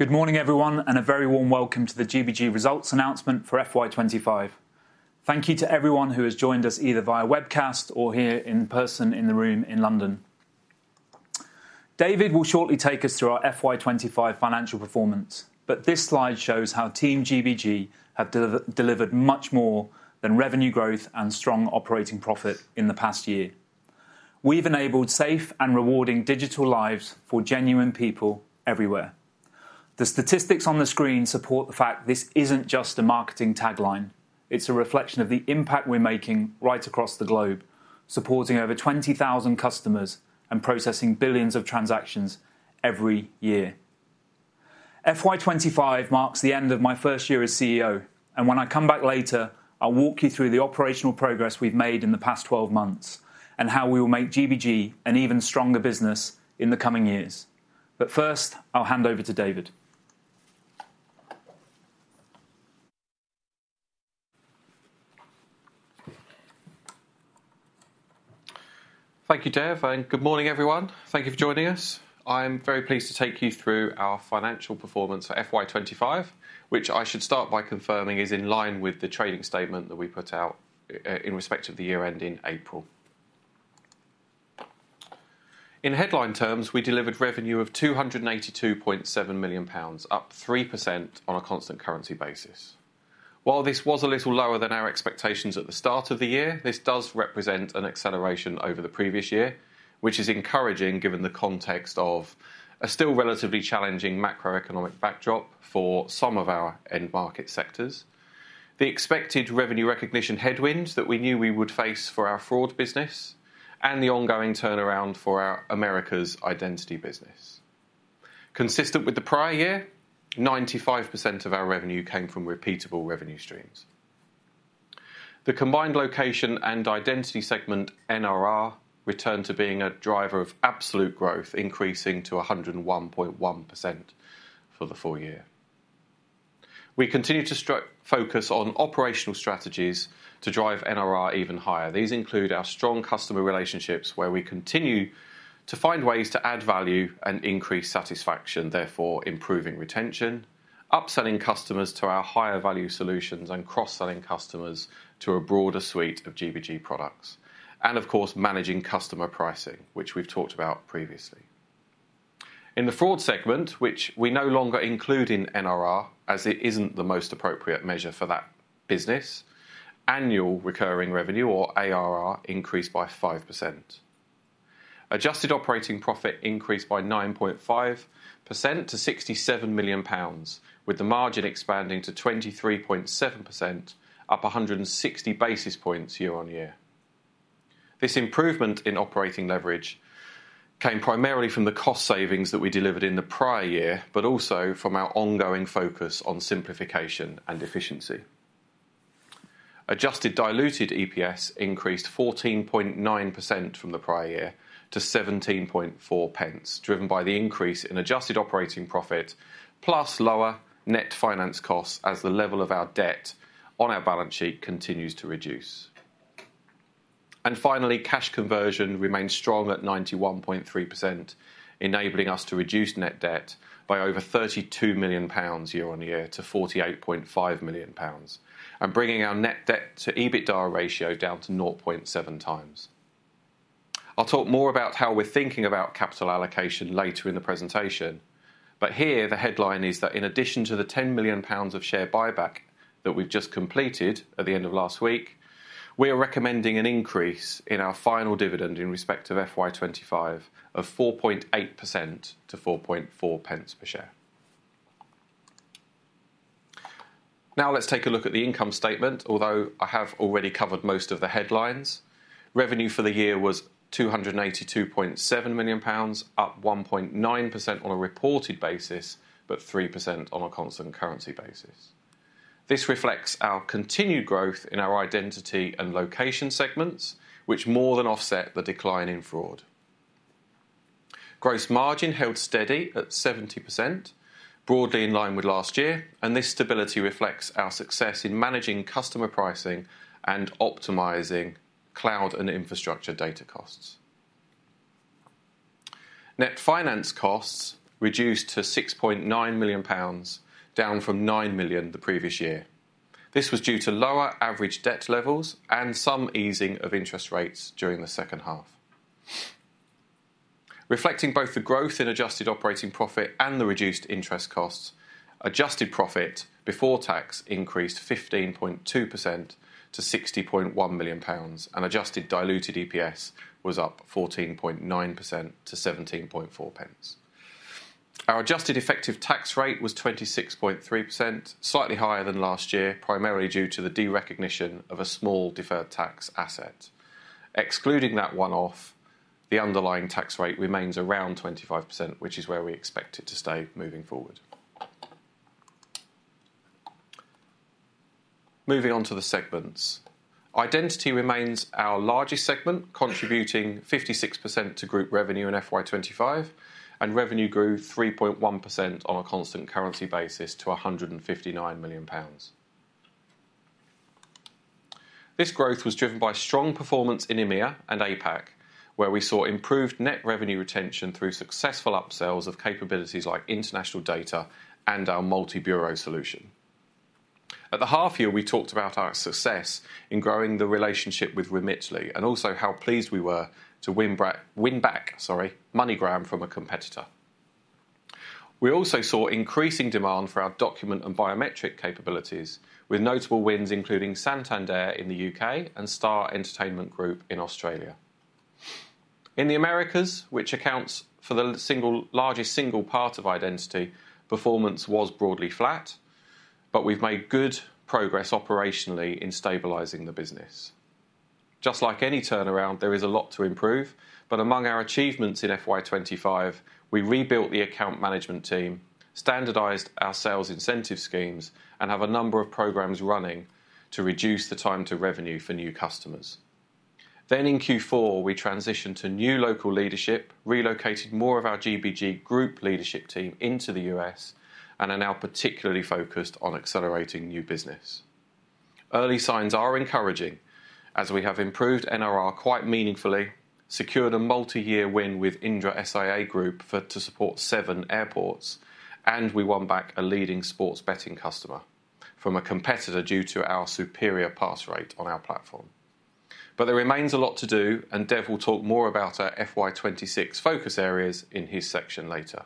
Good morning, everyone, and a very warm welcome to the GBG Results Announcement for FY2025. Thank you to everyone who has joined us either via webcast or here in person in the room in London. David will shortly take us through our FY2025 financial performance, but this slide shows how Team GBG have delivered much more than revenue growth and strong operating profit in the past year. We have enabled safe and rewarding digital lives for genuine people everywhere. The statistics on the screen support the fact this is not just a marketing tagline. It is a reflection of the impact we are making right across the globe, supporting over 20,000 customers and processing billions of transactions every year. FY2025 marks the end of my first year as CEO, and when I come back later, I'll walk you through the operational progress we've made in the past 12 months and how we will make GBG an even stronger business in the coming years. First, I'll hand over to David. Thank you, Dev, and good morning, everyone. Thank you for joining us. I'm very pleased to take you through our financial performance for FY2025, which I should start by confirming is in line with the trading statement that we put out in respect of the year-end in April. In headline terms, we delivered revenue of 282.7 million pounds, up 3% on a constant currency basis. While this was a little lower than our expectations at the start of the year, this does represent an acceleration over the previous year, which is encouraging given the context of a still relatively challenging macroeconomic backdrop for some of our end market sectors, the expected revenue recognition headwinds that we knew we would face for our fraud business, and the ongoing turnaround for our Americas identity business. Consistent with the prior year, 95% of our revenue came from repeatable revenue streams. The combined location and identity segment NRR returned to being a driver of absolute growth, increasing to 101.1% for the full year. We continue to focus on operational strategies to drive NRR even higher. These include our strong customer relationships, where we continue to find ways to add value and increase satisfaction, therefore improving retention, upselling customers to our higher-value solutions, and cross-selling customers to a broader suite of GBG products, and, of course, managing customer pricing, which we've talked about previously. In the fraud segment, which we no longer include in NRR as it isn't the most appropriate measure for that business, annual recurring revenue, or ARR, increased by 5%. Adjusted operating profit increased by 9.5% to 67 million pounds, with the margin expanding to 23.7%, up 160 basis points year-on-year. This improvement in operating leverage came primarily from the cost savings that we delivered in the prior year, but also from our ongoing focus on simplification and efficiency. Adjusted diluted EPS increased 14.9% from the prior year to 0.174, driven by the increase in Adjusted Operating Profit plus lower Net Finance Costs as the level of our debt on our balance sheet continues to reduce. Finally, cash conversion remained strong at 91.3%, enabling us to reduce net debt by over 32 million pounds year-on-year to 48.5 million pounds and bringing our net debt-to-EBITDA ratio down to 0.7 times. I'll talk more about how we're thinking about capital allocation later in the presentation, but here, the headline is that in addition to the 10 million pounds of share buyback that we've just completed at the end of last week, we are recommending an increase in our final dividend in respect of FY 2025 of 4.8% to 0.044 per share. Now, let's take a look at the income statement, although I have already covered most of the headlines. Revenue for the year was 282.7 million pounds, up 1.9% on a reported basis, but 3% on a constant currency basis. This reflects our continued growth in our Identity and Location segments, which more than offset the decline in fraud. Gross margin held steady at 70%, broadly in line with last year, and this stability reflects our success in managing Customer Pricing and optimizing Cloud and Infrastructure Data Costs. Net finance costs reduced to 6.9 million pounds, down from 9 million the previous year. This was due to lower average debt levels and some easing of interest rates during the second half. Reflecting both the growth in Adjusted Operating Profit and the Reduced Interest Costs, Adjusted Profit Before tax increased 15.2% to 60.1 million pounds, and adjusted diluted EPS was up 14.9% to 17.4 pence. Our Adjusted Effective Tax Rate was 26.3%, slightly higher than last year, primarily due to the derecognition of a small deferred tax asset. Excluding that one-off, the underlying tax rate remains around 25%, which is where we expect it to stay moving forward. Moving on to the segments, identity remains our largest segment, contributing 56% to group revenue in FY 2025, and revenue grew 3.1% on a constant currency basis to 159 million pounds. This growth was driven by strong performance in EMEA and APAC, where we saw improved Net Revenue Retention through successful upsells of capabilities like International Data and our Multi-Bureau Solution. At the half-year, we talked about our success in growing the relationship with Remitly and also how pleased we were to win back MoneyGram from a competitor. We also saw increasing demand for our document and biometric capabilities, with notable wins including Santander in the U.K. and Star Entertainment Group in Australia. In the Americas, which accounts for the largest single part of identity, performance was broadly flat, but we've made good progress operationally in stabilizing the business. Just like any turnaround, there is a lot to improve, but among our achievements in FY2025, we rebuilt the Account Management Team, standardized our sales incentive schemes, and have a number of programs running to reduce the time to revenue for new customers. In Q4, we transitioned to new local leadership, relocated more of our GBG Group Leadership Team into the U.S., and are now particularly focused on accelerating new business. Early signs are encouraging as we have improved NRR quite meaningfully, secured a multi-year win with Indra SIA Group to support seven airports, and we won back a leading sports betting customer from a competitor due to our superior pass rate on our platform. There remains a lot to do, and Dev will talk more about our FY2026 focus areas in his section later.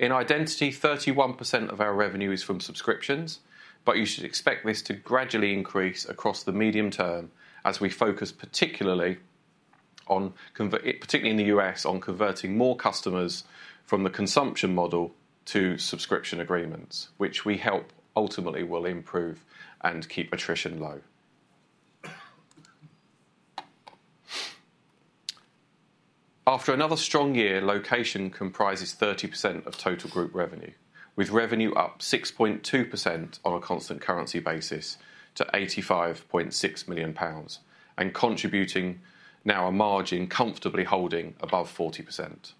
In identity, 31% of our revenue is from subscriptions, but you should expect this to gradually increase across the medium term as we focus particularly in the U.S. on converting more customers from the Consumption Model to Subscription Agreements, which we hope ultimately will improve and keep attrition low. After another strong year, Location comprises 30% of total group revenue, with revenue up 6.2% on a constant currency basis to 85.6 million pounds and contributing now a margin comfortably holding above 40%.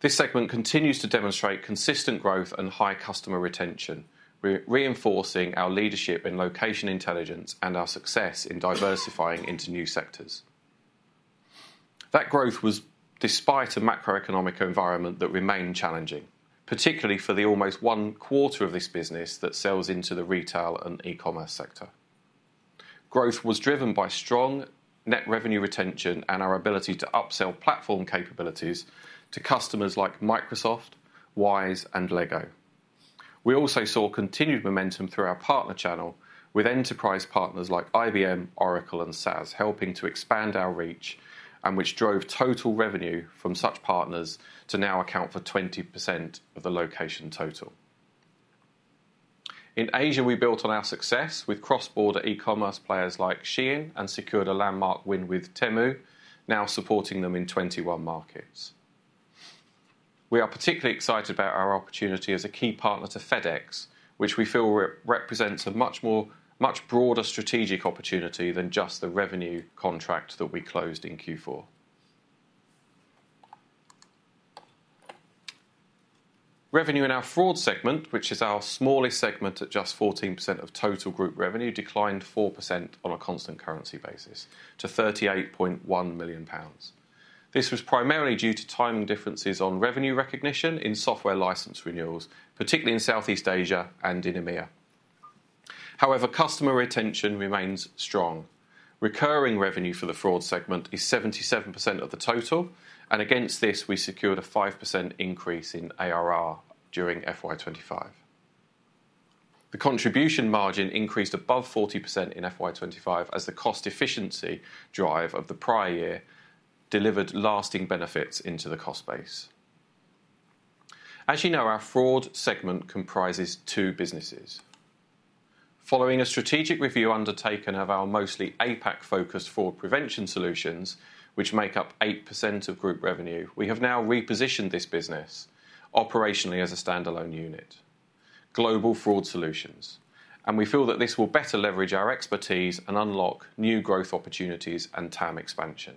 This segment continues to demonstrate consistent growth and high customer retention, reinforcing our leadership in location intelligence and our success in diversifying into new sectors. That growth was despite a macroeconomic environment that remained challenging, particularly for the almost one quarter of this business that sells into the retail and e-commerce sector. Growth was driven by strong Net Revenue Retention and our ability to upsell platform capabilities to customers like Microsoft, Wise, and LEGO. We also saw continued momentum through our partner channel with enterprise partners like IBM, Oracle, and SAS helping to expand our reach, which drove total revenue from such partners to now account for 20% of the location total. In Asia, we built on our success with cross-border e-commerce players like SHEIN and secured a landmark win with Temu, now supporting them in 21 markets. We are particularly excited about our opportunity as a key partner to FedEx, which we feel represents a much broader strategic opportunity than just the revenue contract that we closed in Q4. Revenue in our Fraud segment, which is our smallest segment at just 14% of total group revenue, declined 4% on a constant currency basis to 38.1 million pounds. This was primarily due to time differences on revenue recognition in software license renewals, particularly in Southeast Asia and in EMEA. However, customer retention remains strong. Recurring revenue for the Fraud segment is 77% of the total, and against this, we secured a 5% increase in ARR during FY2025. The contribution margin increased above 40% in FY2025 as the cost efficiency drive of the prior year delivered lasting benefits into the cost base. As you know, our Fraud segment comprises two businesses. Following a strategic review undertaken of our mostly APAC-focused Fraud prevention solutions, which make up 8% of group revenue, we have now repositioned this business operationally as a standalone unit, Global Fraud Solutions, and we feel that this will better leverage our expertise and unlock new growth opportunities and TAM expansion.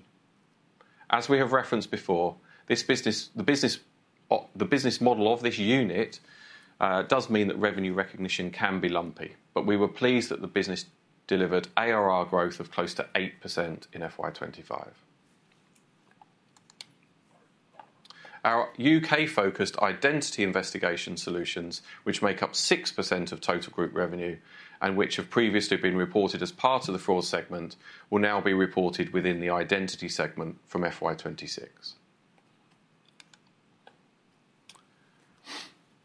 As we have referenced before, the business model of this unit does mean that revenue recognition can be lumpy, but we were pleased that the business delivered ARR growth of close to 8% in FY2025. Our U.K.-focused identity investigation solutions, which make up 6% of total group revenue and which have previously been reported as part of the Fraud segment, will now be reported within the identity segment from FY2026.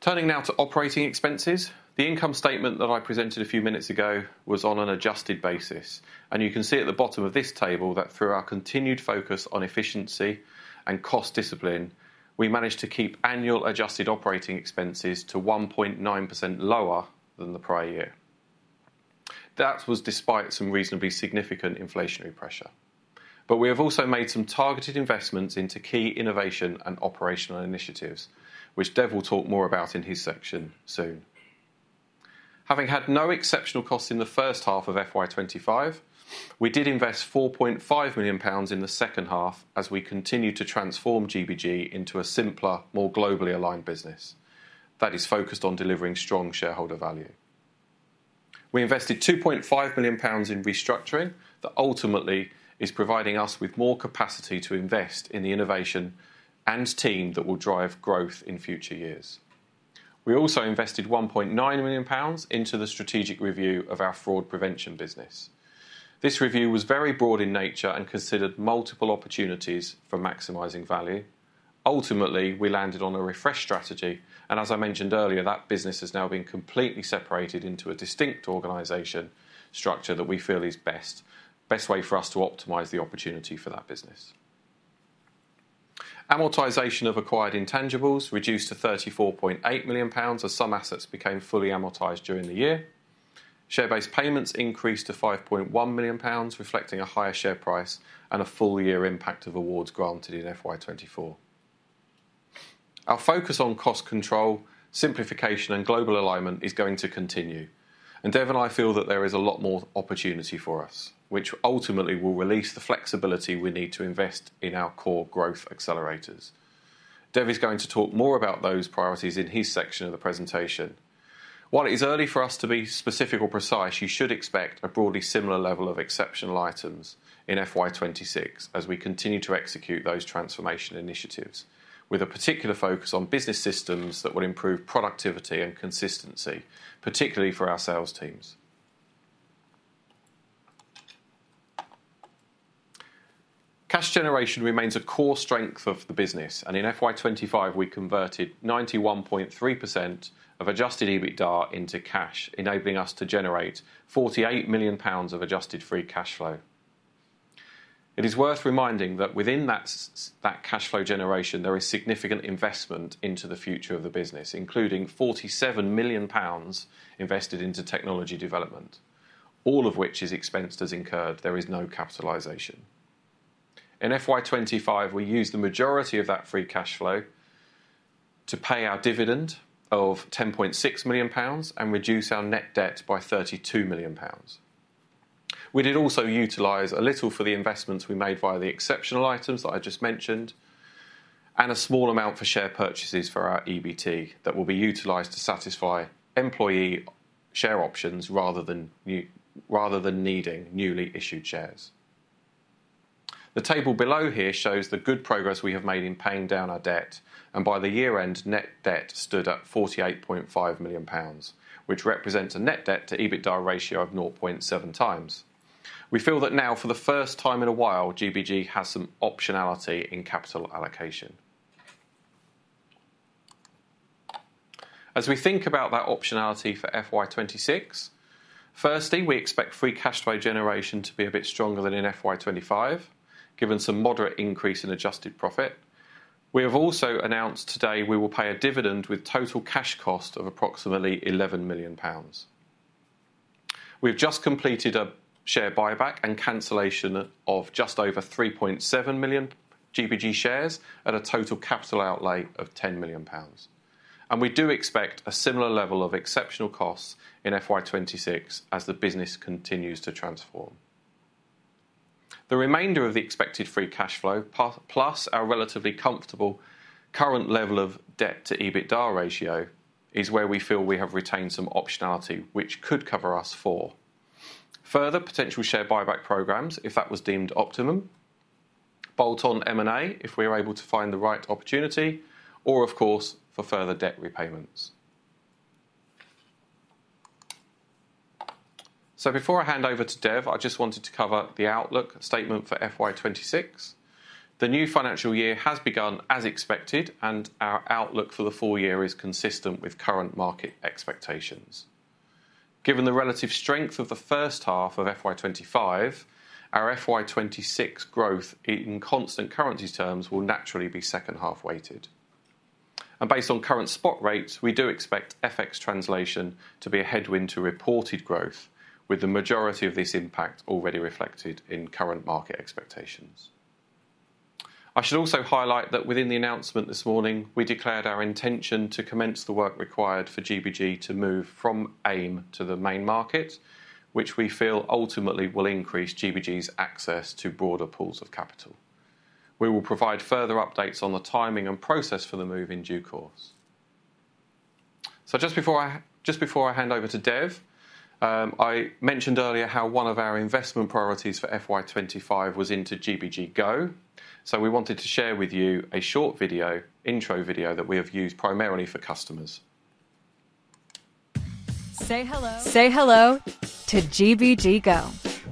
Turning now to operating expenses, the income statement that I presented a few minutes ago was on an adjusted basis, and you can see at the bottom of this table that through our continued focus on efficiency and cost discipline, we managed to keep annual adjusted operating expenses to 1.9% lower than the prior year. That was despite some reasonably significant inflationary pressure. We have also made some targeted investments into key innovation and operational initiatives, which Dev will talk more about in his section soon. Having had no exceptional costs in the first half of FY2025, we did invest 4.5 million pounds in the second half as we continued to transform GBG into a simpler, more globally aligned business that is focused on delivering strong shareholder value. We invested 2.5 million pounds in restructuring that ultimately is providing us with more capacity to invest in the innovation and team that will drive growth in future years. We also invested 1.9 million pounds into the strategic review of our fraud prevention business. This review was very broad in nature and considered multiple opportunities for maximizing value. Ultimately, we landed on a refresh strategy, and as I mentioned earlier, that business has now been completely separated into a distinct organization structure that we feel is best way for us to optimize the opportunity for that business. Amortization of acquired intangibles reduced to 34.8 million pounds as some assets became fully amortized during the year. Share-based payments increased to 5.1 million pounds, reflecting a higher share price and a full-year impact of awards granted in FY2024. Our focus on cost control, simplification, and global alignment is going to continue, and Dev and I feel that there is a lot more opportunity for us, which ultimately will release the flexibility we need to invest in our core growth accelerators. Dev is going to talk more about those priorities in his section of the presentation. While it is early for us to be specific or precise, you should expect a broadly similar level of exceptional items in FY2026 as we continue to execute those transformation initiatives, with a particular focus on business systems that will improve productivity and consistency, particularly for our sales teams. Cash generation remains a core strength of the business, and in FY2025, we converted 91.3% of adjusted EBITDA into cash, enabling us to generate 48 million pounds of adjusted free cash flow. It is worth reminding that within that cash flow generation, there is significant investment into the future of the business, including 47 million pounds invested into technology development, all of which is expensed as incurred. There is no capitalization. In FY2025, we used the majority of that free cash flow to pay our dividend of 10.6 million pounds and reduce our net debt by 32 million pounds. We did also utilize a little for the investments we made via the exceptional items that I just mentioned and a small amount for share purchases for our EBT that will be utilized to satisfy employee share options rather than needing newly issued shares. The table below here shows the good progress we have made in paying down our debt, and by the year-end, net debt stood at 48.5 million pounds, which represents a net debt-to-EBITDA ratio of 0.7 times. We feel that now, for the first time in a while, GBG has some optionality in capital allocation. As we think about that optionality for FY2026, firstly, we expect free cash flow generation to be a bit stronger than in FY2025, given some moderate increase in adjusted profit. We have also announced today we will pay a dividend with total cash cost of approximately 11 million pounds. We have just completed a share buyback and cancellation of just over 3.7 million GBG shares at a total capital outlay of 10 million pounds. We do expect a similar level of exceptional costs in FY 2026 as the business continues to transform. The remainder of the expected free cash flow, plus our relatively comfortable current level of debt-to-EBITDA ratio, is where we feel we have retained some optionality, which could cover us for further potential share buyback programs if that was deemed optimum, bolt-on M&A if we are able to find the right opportunity, or, of course, for further debt repayments. Before I hand over to Dev, I just wanted to cover the outlook statement for FY 2026. The new financial year has begun as expected, and our outlook for the full year is consistent with current market expectations. Given the relative strength of the first half of FY2025, our FY2026 growth in constant currency terms will naturally be second-half weighted. Based on current spot rates, we do expect FX translation to be a headwind to reported growth, with the majority of this impact already reflected in current market expectations. I should also highlight that within the announcement this morning, we declared our intention to commence the work required for GBG to move from AIM to the main market, which we feel ultimately will increase GBG's access to broader pools of capital. We will provide further updates on the timing and process for the move in due course. Just before I hand over to Dev, I mentioned earlier how one of our investment priorities for FY2025 was into GBG GO, so we wanted to share with you a short intro video that we have used primarily for customers. Say hello. Say hello to GBG GO,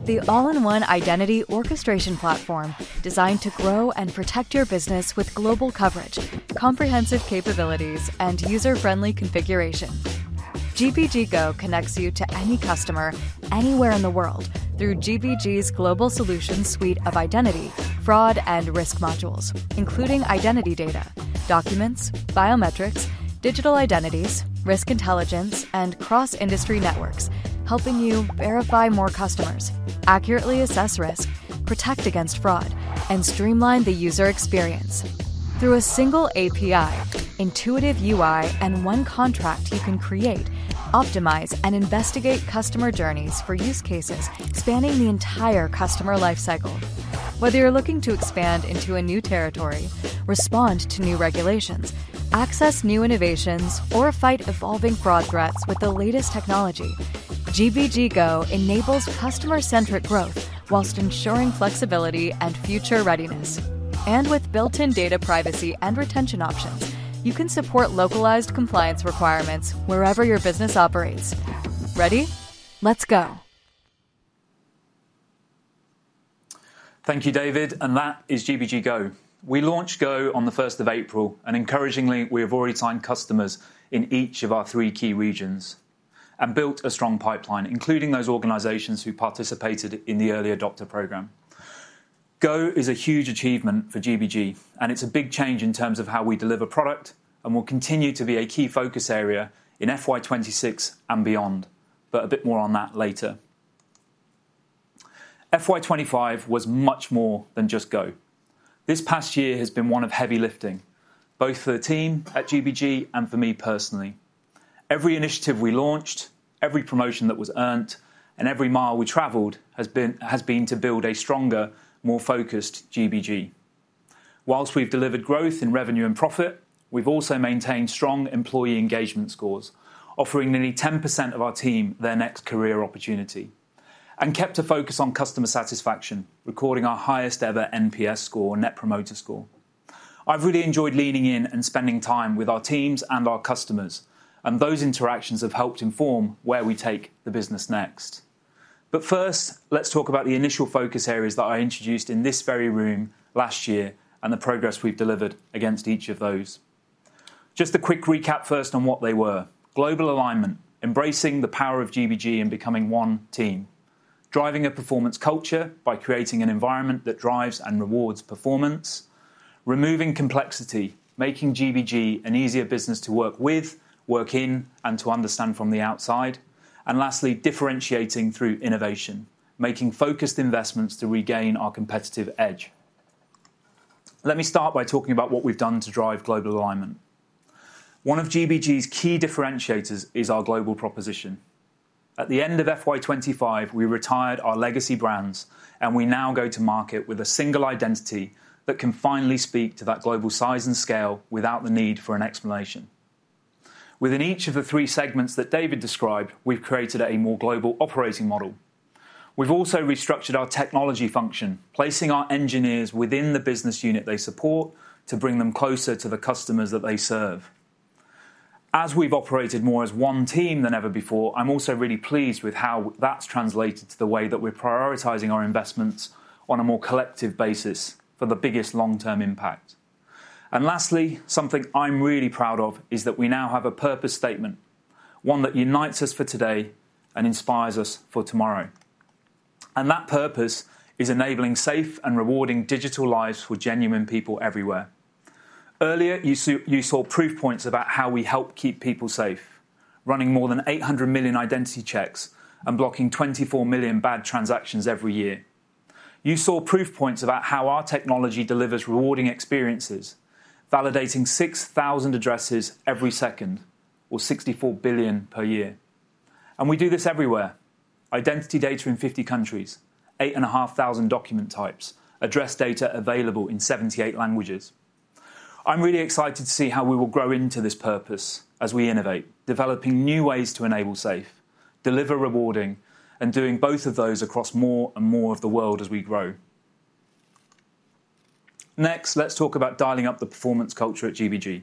the all-in-one identity orchestration platform designed to grow and protect your business with global coverage, comprehensive capabilities, and user-friendly configuration. GBG GO connects you to any customer anywhere in the world through GBG's global solution suite of Identity, Fraud, and risk modules, including identity data, documents, biometrics, digital identities, risk intelligence, and cross-industry networks, helping you verify more customers, accurately assess risk, protect against fraud, and streamline the user experience. Through a single API, intuitive UI, and one contract, you can create, optimize, and investigate customer journeys for use cases spanning the entire customer lifecycle. Whether you're looking to expand into a new territory, respond to new regulations, access new innovations, or fight evolving fraud threats with the latest technology, GBG GO enables customer-centric growth whilst ensuring flexibility and future readiness. With built-in data privacy and retention options, you can support localized compliance requirements wherever your business operates. Ready? Let's go. Thank you, David, and that is GBG GO. We launched GO on the 1st of April, and encouragingly, we have already signed customers in each of our three key regions and built a strong pipeline, including those organizations who participated in the early adopter program. GO is a huge achievement for GBG, and it's a big change in terms of how we deliver product and will continue to be a key focus area in FY2026 and beyond, but a bit more on that later. FY2025 was much more than just GO. This past year has been one of heavy lifting, both for the team at GBG and for me personally. Every initiative we launched, every promotion that was earned, and every mile we traveled has been to build a stronger, more focused GBG. Whilst we've delivered growth in revenue and profit, we've also maintained strong employee engagement scores, offering nearly 10% of our team their next career opportunity, and kept a focus on customer satisfaction, recording our highest ever NPS score, net promoter score. I've really enjoyed leaning in and spending time with our teams and our customers, and those interactions have helped inform where we take the business next. First, let's talk about the initial focus areas that I introduced in this very room last year and the progress we've delivered against each of those. Just a quick recap first on what they were: global alignment, embracing the power of GBG and becoming one team, driving a performance culture by creating an environment that drives and rewards performance, removing complexity, making GBG an easier business to work with, work in, and to understand from the outside, and lastly, differentiating through innovation, making focused investments to regain our competitive edge. Let me start by talking about what we've done to drive global alignment. One of GBG's key differentiators is our global proposition. At the end of 2025, we retired our legacy brands, and we now go to market with a single identity that can finally speak to that global size and scale without the need for an explanation. Within each of the three segments that David described, we've created a more global operating model. We've also restructured our technology function, placing our engineers within the business unit they support to bring them closer to the customers that they serve. As we've operated more as one team than ever before, I'm also really pleased with how that's translated to the way that we're prioritizing our investments on a more collective basis for the biggest long-term impact. Lastly, something I'm really proud of is that we now have a purpose statement, one that unites us for today and inspires us for tomorrow. That purpose is enabling safe and rewarding digital lives for genuine people everywhere. Earlier, you saw proof points about how we help keep people safe, running more than 800 million identity checks and blocking 24 million bad transactions every year. You saw proof points about how our technology delivers rewarding experiences, validating 6,000 addresses every second, or 64 billion per year. We do this everywhere: identity data in 50 countries, 8,500 document types, address data available in 78 languages. I am really excited to see how we will grow into this purpose as we innovate, developing new ways to enable safe, deliver rewarding, and doing both of those across more and more of the world as we grow. Next, let's talk about dialing up the performance culture at GBG.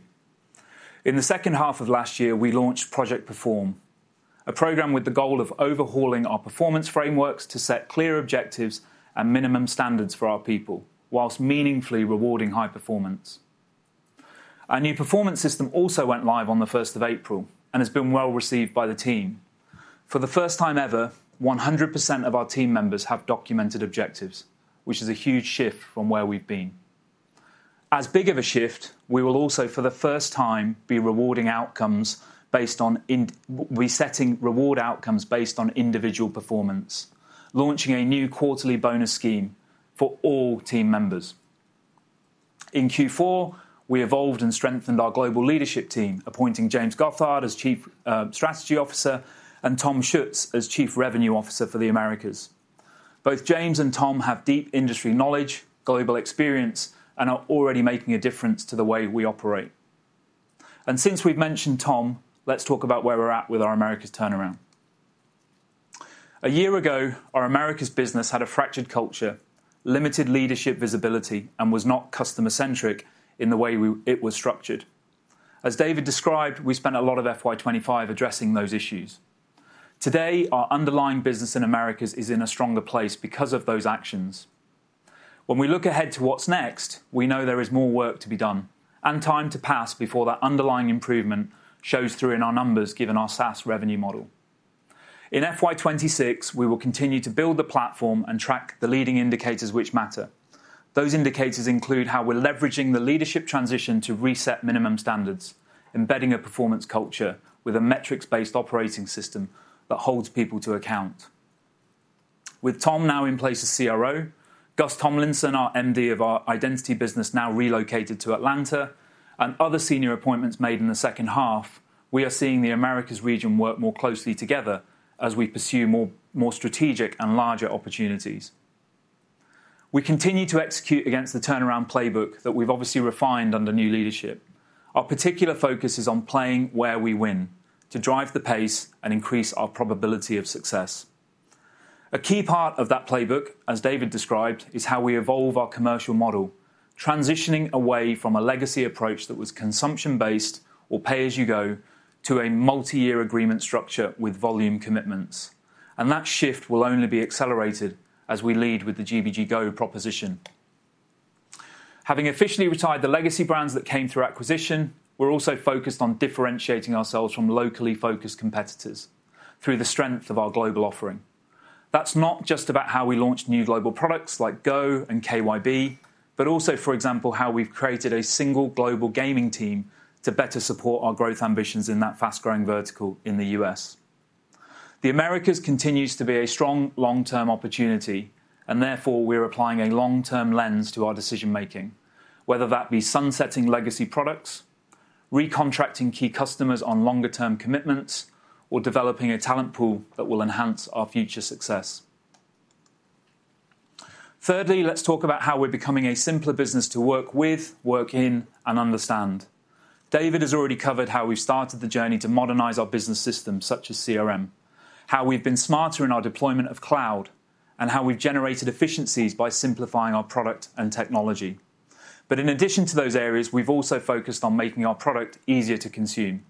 In the second half of last year, we launched Project Perform, a program with the goal of overhauling our performance frameworks to set clear objectives and minimum standards for our people, whilst meaningfully rewarding high performance. Our new performance system also went live on the 1st of April and has been well received by the team. For the first time ever, 100% of our team members have documented objectives, which is a huge shift from where we have been. As big of a shift, we will also, for the first time, be rewarding outcomes based on resetting reward outcomes based on individual performance, launching a new quarterly bonus scheme for all team members. In Q4, we evolved and strengthened our global leadership team, appointing James Gothard as Chief Strategy Officer and Tom Schutz as Chief Revenue Officer for the Americas. Both James and Tom have deep industry knowledge, global experience, and are already making a difference to the way we operate. Since we've mentioned Tom, let's talk about where we're at with our Americas turnaround. A year ago, our Americas business had a fractured culture, limited leadership visibility, and was not customer-centric in the way it was structured. As David described, we spent a lot of FY2025 addressing those issues. Today, our underlying business in Americas is in a stronger place because of those actions. When we look ahead to what's next, we know there is more work to be done and time to pass before that underlying improvement shows through in our numbers, given our SaaS revenue model. In FY2026, we will continue to build the platform and track the leading indicators which matter. Those indicators include how we're leveraging the leadership transition to reset minimum standards, embedding a performance culture with a metrics-based operating system that holds people to account. With Tom now in place as CRO, Gus Tomlinson, our MD of our identity business, now relocated to Atlanta, and other senior appointments made in the second half, we are seeing the Americas region work more closely together as we pursue more strategic and larger opportunities. We continue to execute against the turnaround playbook that we've obviously refined under new leadership. Our particular focus is on playing where we win to drive the pace and increase our probability of success. A key part of that playbook, as David described, is how we evolve our commercial model, transitioning away from a legacy approach that was consumption-based or pay-as-you-go to a multi-year agreement structure with volume commitments. That shift will only be accelerated as we lead with the GBG GO proposition. Having officially retired the legacy brands that came through acquisition, we are also focused on differentiating ourselves from locally focused competitors through the strength of our global offering. That is not just about how we launched new global products like GO and KYB, but also, for example, how we have created a single global gaming team to better support our growth ambitions in that fast-growing vertical in the U.S. The Americas continues to be a strong long-term opportunity, and therefore we're applying a long-term lens to our decision-making, whether that be sunsetting legacy products, recontracting key customers on longer-term commitments, or developing a talent pool that will enhance our future success. Thirdly, let's talk about how we're becoming a simpler business to work with, work in, and understand. David has already covered how we've started the journey to modernize our business systems, such as CRM, how we've been smarter in our deployment of cloud, and how we've generated efficiencies by simplifying our product and technology. In addition to those areas, we've also focused on making our product easier to consume.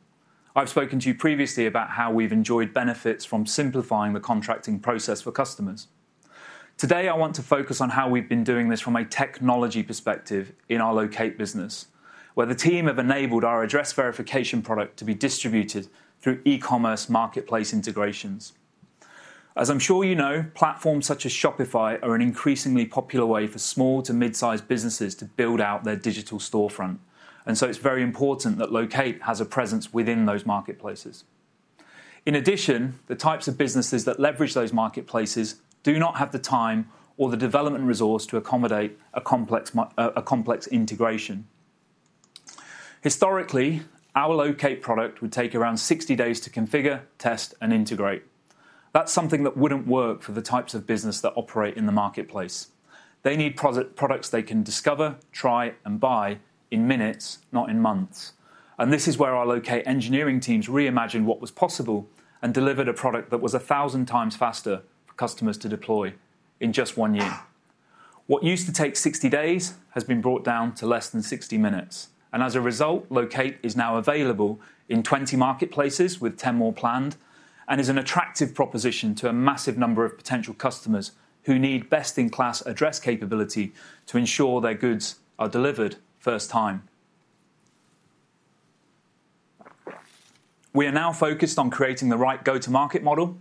I've spoken to you previously about how we've enjoyed benefits from simplifying the contracting process for customers. Today, I want to focus on how we've been doing this from a technology perspective in our Loqate business, where the team have enabled our address verification product to be distributed through e-commerce marketplace integrations. As I'm sure you know, platforms such as Shopify are an increasingly popular way for small to mid-sized businesses to build out their digital storefront, and so it's very important that Loqate has a presence within those marketplaces. In addition, the types of businesses that leverage those marketplaces do not have the time or the development resource to accommodate a complex integration. Historically, our Loqate product would take around 60 days to configure, test, and integrate. That's something that wouldn't work for the types of business that operate in the marketplace. They need products they can discover, try, and buy in minutes, not in months. This is where our Loqate engineering teams reimagined what was possible and delivered a product that was 1,000 times faster for customers to deploy in just one year. What used to take 60 days has been brought down to less than 60 minutes, and as a result, Loqate is now available in 20 marketplaces with 10 more planned and is an attractive proposition to a massive number of potential customers who need best-in-class address capability to ensure their goods are delivered first time. We are now focused on creating the right go-to-market model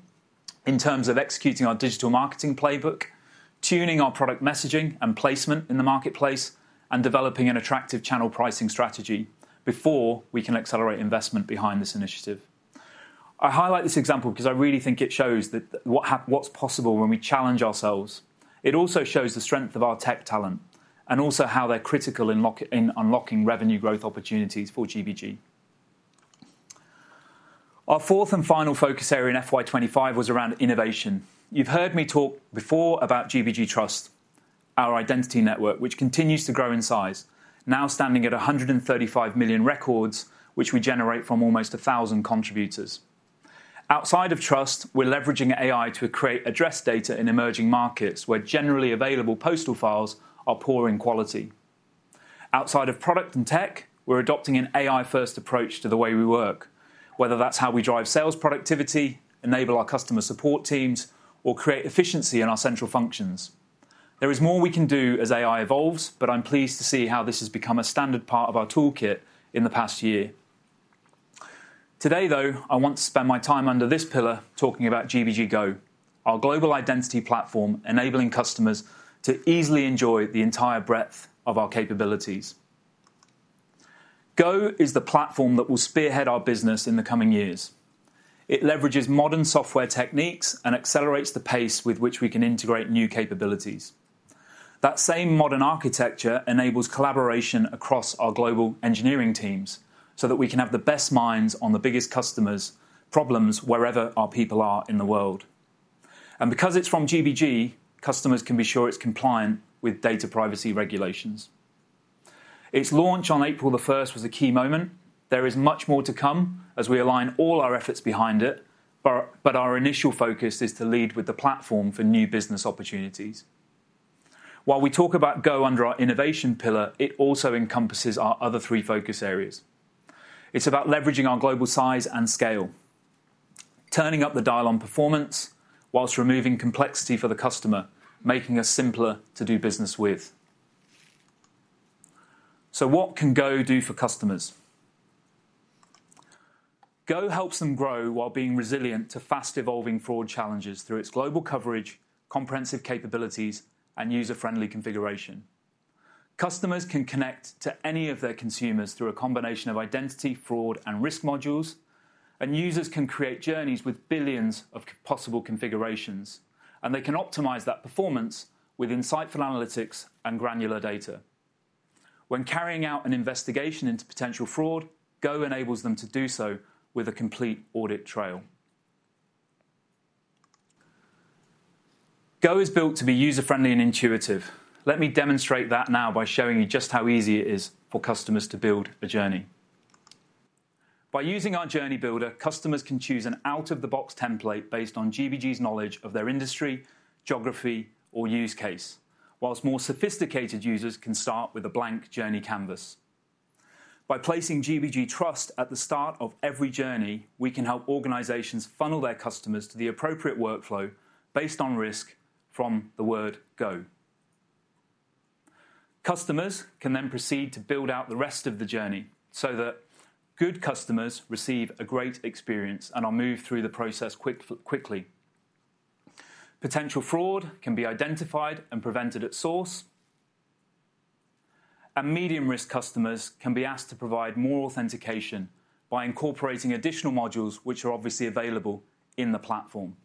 in terms of executing our digital marketing playbook, tuning our product messaging and placement in the marketplace, and developing an attractive channel pricing strategy before we can accelerate investment behind this initiative. I highlight this example because I really think it shows what's possible when we challenge ourselves. It also shows the strength of our tech talent and also how they're critical in unlocking revenue growth opportunities for GBG. Our fourth and final focus area in FY2025 was around innovation. You've heard me talk before about GBG Trust, our identity network, which continues to grow in size, now standing at 135 million records, which we generate from almost 1,000 contributors. Outside of Trust, we're leveraging AI to create address data in emerging markets where generally available postal files are poor in quality. Outside of product and tech, we're adopting an AI-first approach to the way we work, whether that's how we drive sales productivity, enable our customer support teams, or create efficiency in our central functions. There is more we can do as AI evolves, but I'm pleased to see how this has become a standard part of our toolkit in the past year. Today, though, I want to spend my time under this pillar talking about GBG GO, our global identity platform enabling customers to easily enjoy the entire breadth of our capabilities. GO is the platform that will spearhead our business in the coming years. It leverages modern software techniques and accelerates the pace with which we can integrate new capabilities. That same modern architecture enables collaboration across our global engineering teams so that we can have the best minds on the biggest customers' problems wherever our people are in the world. Because it is from GBG, customers can be sure it is compliant with data privacy regulations. Its launch on April the 1st was a key moment. There is much more to come as we align all our efforts behind it, but our initial focus is to lead with the platform for new business opportunities. While we talk about GO under our innovation pillar, it also encompasses our other three focus areas. It is about leveraging our global size and scale, turning up the dial on performance whilst removing complexity for the customer, making us simpler to do business with. What can GO do for customers? GO helps them grow while being resilient to fast-evolving fraud challenges through its global coverage, comprehensive capabilities, and user-friendly configuration. Customers can connect to any of their consumers through a combination of Identity, Fraud, and risk modules, and users can create journeys with billions of possible configurations, and they can optimize that performance with insightful analytics and granular data. When carrying out an investigation into potential fraud, GO enables them to do so with a complete audit trail. GO is built to be user-friendly and intuitive. Let me demonstrate that now by showing you just how easy it is for customers to build a journey. By using our journey builder, customers can choose an out-of-the-box template based on GBG's knowledge of their industry, geography, or use case, whilst more sophisticated users can start with a blank journey canvas. By placing GBG Trust at the start of every journey, we can help organizations funnel their customers to the appropriate workflow based on risk from the word GO. Customers can then proceed to build out the rest of the journey so that good customers receive a great experience and are moved through the process quickly. Potential fraud can be identified and prevented at source, and medium-risk customers can be asked to provide more authentication by incorporating additional modules which are obviously available in the platform.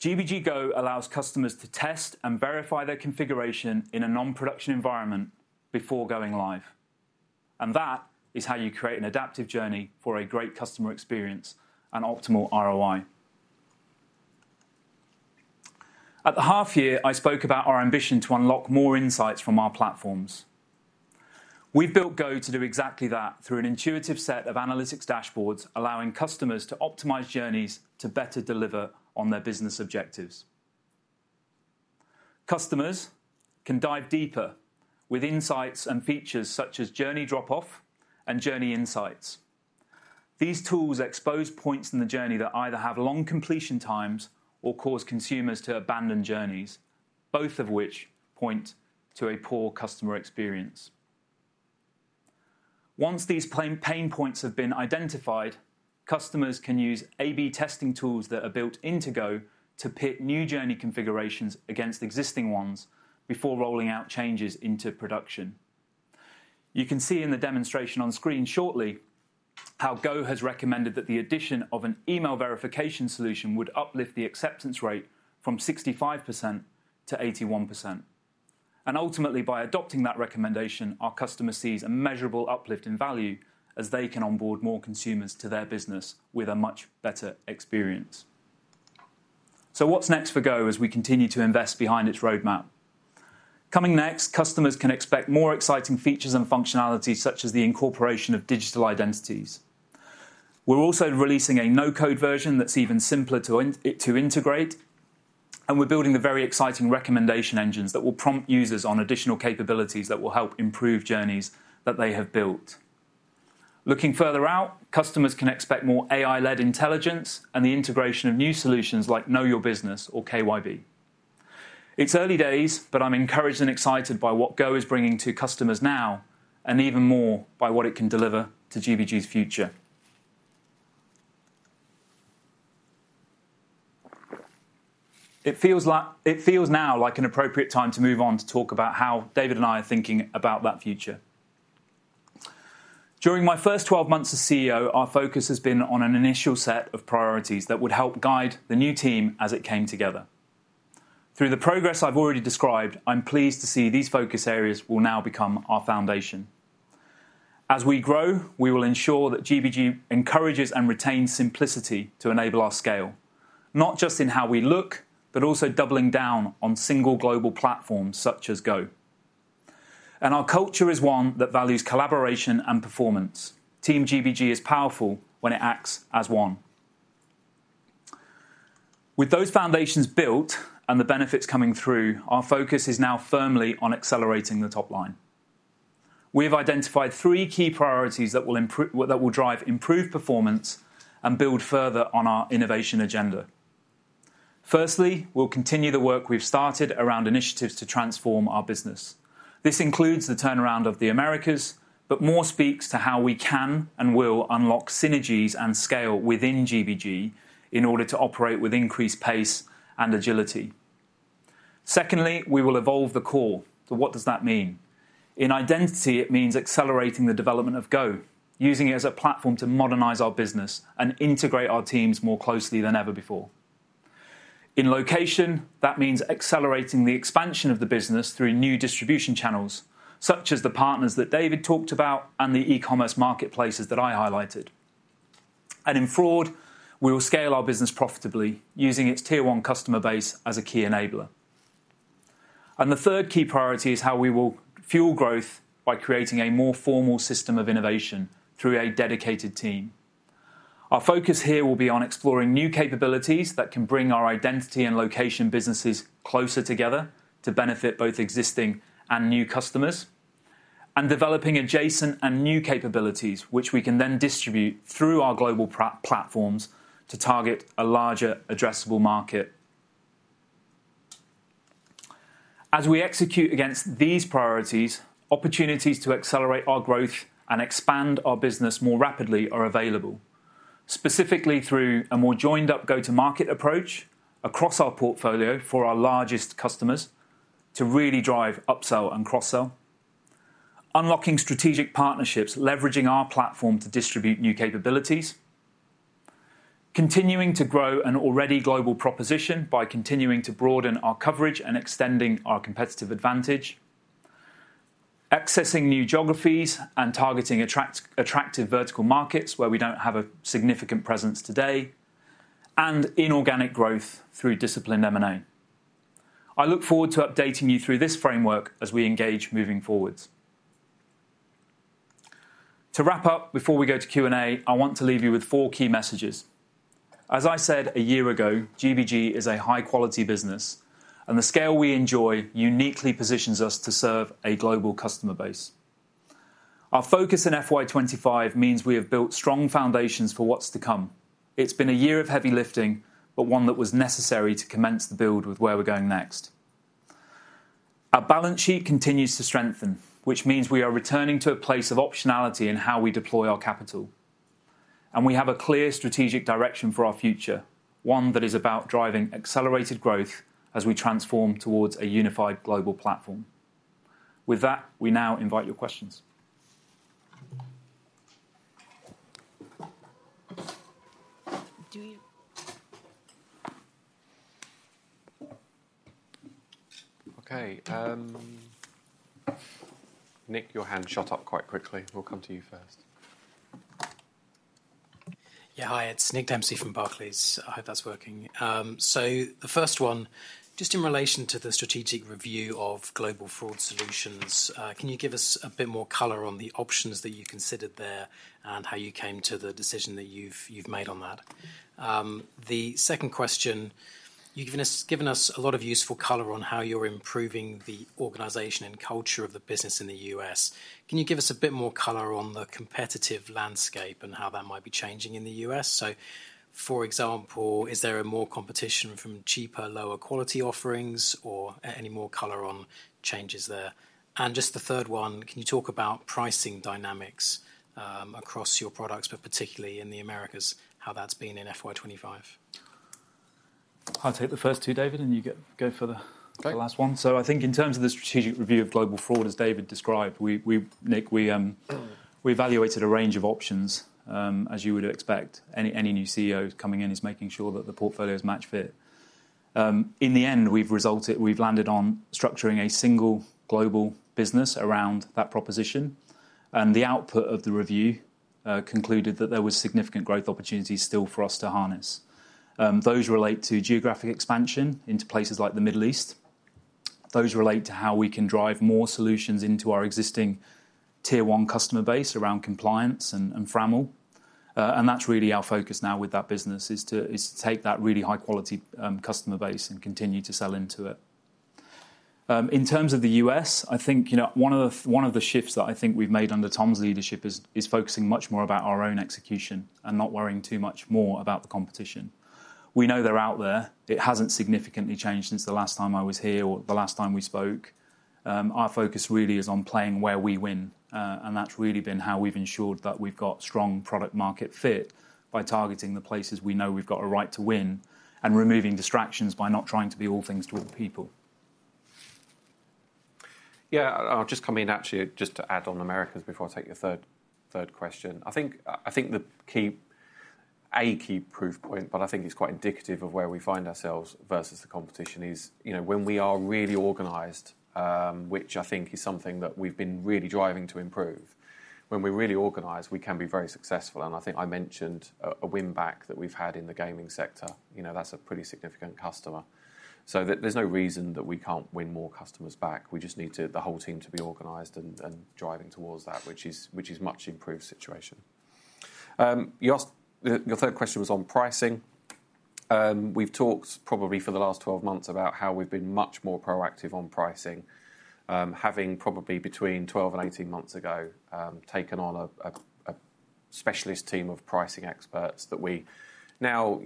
GBG GO allows customers to test and verify their configuration in a non-production environment before going live. That is how you create an adaptive journey for a great customer experience and optimal ROI. At the half year, I spoke about our ambition to unlock more insights from our platforms. We have built GO to do exactly that through an intuitive set of analytics dashboards, allowing customers to optimize journeys to better deliver on their business objectives. Customers can dive deeper with insights and features such as journey drop-off and journey insights. These tools expose points in the journey that either have long completion times or cause consumers to abandon journeys, both of which point to a poor customer experience. Once these pain points have been identified, customers can use A/B testing tools that are built into GO to pit new journey configurations against existing ones before rolling out changes into production. You can see in the demonstration on screen shortly how GO has recommended that the addition of an email verification solution would uplift the acceptance rate from 65%-81%. Ultimately, by adopting that recommendation, our customer sees a measurable uplift in value as they can onboard more consumers to their business with a much better experience. What's next for GO as we continue to invest behind its roadmap? Coming next, customers can expect more exciting features and functionalities, such as the incorporation of digital identities. We're also releasing a no-code version that's even simpler to integrate, and we're building the very exciting recommendation engines that will prompt users on additional capabilities that will help improve journeys that they have built. Looking further out, customers can expect more AI-led intelligence and the integration of new solutions like Know Your Business or KYB. It's early days, but I'm encouraged and excited by what GO is bringing to customers now and even more by what it can deliver to GBG's future. It feels now like an appropriate time to move on to talk about how David and I are thinking about that future. During my first 12 months as CEO, our focus has been on an initial set of priorities that would help guide the new team as it came together. Through the progress I've already described, I'm pleased to see these focus areas will now become our foundation. As we grow, we will ensure that GBG encourages and retains simplicity to enable our scale, not just in how we look, but also doubling down on single global platforms such as GO. Our culture is one that values collaboration and performance. Team GBG is powerful when it acts as one. With those foundations built and the benefits coming through, our focus is now firmly on accelerating the top line. We have identified three key priorities that will drive improved performance and build further on our innovation agenda. Firstly, we'll continue the work we've started around initiatives to transform our business. This includes the turnaround of the Americas, but more speaks to how we can and will unlock synergies and scale within GBG in order to operate with increased pace and agility. Secondly, we will evolve the core. So what does that mean? In Identity, it means accelerating the development of GO, using it as a platform to modernize our business and integrate our teams more closely than ever before. In Location, that means accelerating the expansion of the business through new distribution channels, such as the partners that David talked about and the e-commerce marketplaces that I highlighted. In Fraud, we will scale our business profitably using its tier-one customer base as a key enabler. The third key priority is how we will fuel growth by creating a more formal system of innovation through a dedicated team. Our focus here will be on exploring new capabilities that can bring our Identity and Location businesses closer together to benefit both existing and new customers, and developing adjacent and new capabilities, which we can then distribute through our global platforms to target a larger addressable market. As we execute against these priorities, opportunities to accelerate our growth and expand our business more rapidly are available, specifically through a more joined-up go-to-market approach across our portfolio for our largest customers to really drive upsell and cross-sell, unlocking strategic partnerships, leveraging our platform to distribute new capabilities, continuing to grow an already global proposition by continuing to broaden our coverage and extending our competitive advantage, accessing new geographies and targeting attractive vertical markets where we do not have a significant presence today, and inorganic growth through disciplined M&A. I look forward to updating you through this framework as we engage moving forwards. To wrap up, before we go to Q&A, I want to leave you with four key messages. As I said a year ago, GBG is a high-quality business, and the scale we enjoy uniquely positions us to serve a global customer base. Our focus in FY2025 means we have built strong foundations for what is to come. It has been a year of heavy lifting, but one that was necessary to commence the build with where we are going next. Our balance sheet continues to strengthen, which means we are returning to a place of optionality in how we deploy our capital. We have a clear strategic direction for our future, one that is about driving accelerated growth as we transform towards a unified global platform. With that, we now invite your questions. Okay. Nick, your hand shot up quite quickly. We will come to you first. Yeah, hi. It's Nick Dempsey from Barclays. I hope that's working. The first one, just in relation to the strategic review of Global Fraud Solutions, can you give us a bit more color on the options that you considered there and how you came to the decision that you've made on that? The second question, you've given us a lot of useful color on how you're improving the organization and culture of the business in the U.S. Can you give us a bit more color on the competitive landscape and how that might be changing in the U.S.? For example, is there more competition from cheaper, lower-quality offerings, or any more color on changes there? Just the third one, can you talk about pricing dynamics across your products, but particularly in the Americas, how that's been in FY2025? I'll take the first two, David, and you go for the last one. I think in terms of the strategic review of Global Fraud, as David described, Nick, we evaluated a range of options, as you would expect. Any new CEO coming in is making sure that the portfolio is match-fit. In the end, we've landed on structuring a single global business around that proposition. The output of the review concluded that there were significant growth opportunities still for us to harness. Those relate to geographic expansion into places like the Middle East. Those relate to how we can drive more solutions into our existing tier-one customer base around compliance and FRAML. That's really our focus now with that business, to take that really high-quality customer base and continue to sell into it. In terms of the U.S., I think one of the shifts that I think we've made under Tom's leadership is focusing much more about our own execution and not worrying too much more about the competition. We know they're out there. It hasn't significantly changed since the last time I was here or the last time we spoke. Our focus really is on playing where we win. That's really been how we've ensured that we've got strong product-market fit by targeting the places we know we've got a right to win and removing distractions by not trying to be all things to all people. I'll just come in actually just to add on Americas before I take the third question. I think the key, a key proof point, but I think it's quite indicative of where we find ourselves versus the competition, is when we are really organized, which I think is something that we've been really driving to improve. When we're really organized, we can be very successful. I think I mentioned a win back that we've had in the gaming sector. That's a pretty significant customer. There is no reason that we can't win more customers back. We just need the whole team to be organized and driving towards that, which is a much improved situation. Your third question was on pricing. We've talked probably for the last 12 months about how we've been much more proactive on pricing, having probably between 12 and 18 months ago taken on a specialist team of pricing experts that we now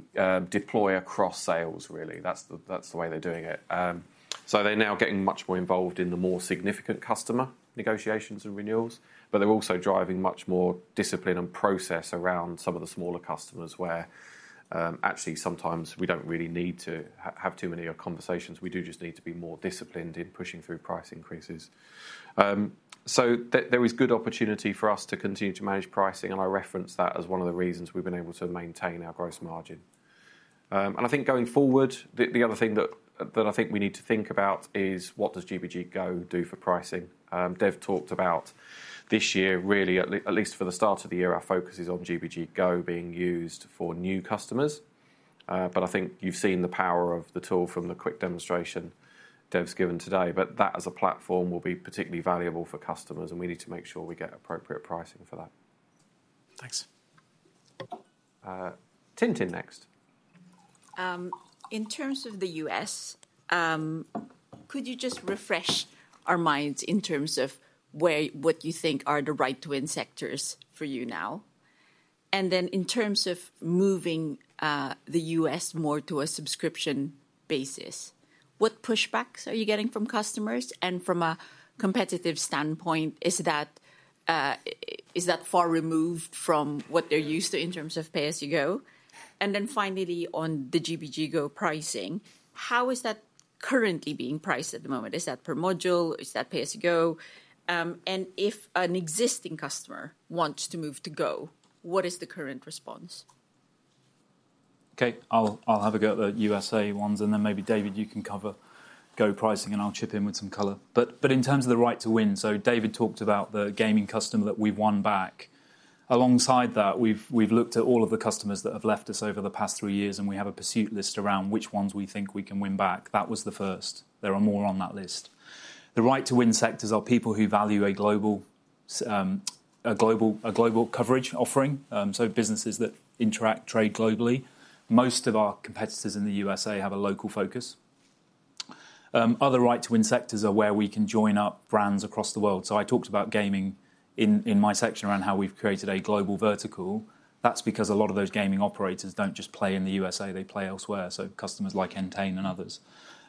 deploy across sales, really. That's the way they're doing it. They are now getting much more involved in the more significant customer negotiations and renewals, but they are also driving much more discipline and process around some of the smaller customers where actually sometimes we do not really need to have too many conversations. We do just need to be more disciplined in pushing through price increases. There is good opportunity for us to continue to manage pricing, and I referenced that as one of the reasons we have been able to maintain our gross margin. I think going forward, the other thing that I think we need to think about is what does GBG GO do for pricing? Dev talked about this year, really, at least for the start of the year, our focus is on GBG GO being used for new customers. I think you've seen the power of the tool from the quick demonstration Dev's given today. That as a platform will be particularly valuable for customers, and we need to make sure we get appropriate pricing for that. Thanks. Tintin next. In terms of the U.S., could you just refresh our minds in terms of what you think are the right-to-win sectors for you now? In terms of moving the U.S. more to a subscription basis, what pushbacks are you getting from customers? From a competitive standpoint, is that far removed from what they're used to in terms of pay-as-you-go? Finally, on the GBG GO pricing, how is that currently being priced at the moment? Is that per module? Is that pay-as-you-go? If an existing customer wants to move to GO, what is the current response? Okay. I'll have a go at the USA ones, and then maybe David, you can cover GO pricing, and I'll chip in with some color. In terms of the right-to-win, David talked about the gaming customer that we've won back. Alongside that, we've looked at all of the customers that have left us over the past three years, and we have a pursuit list around which ones we think we can win back. That was the first. There are more on that list. The right-to-win sectors are people who value a global coverage offering, so businesses that interact, trade globally. Most of our competitors in the U.S. have a local focus. Other right-to-win sectors are where we can join up brands across the world. I talked about gaming in my section around how we've created a global vertical. That's because a lot of those gaming operators do not just play in the U.S. They play elsewhere, so customers like Entain and others.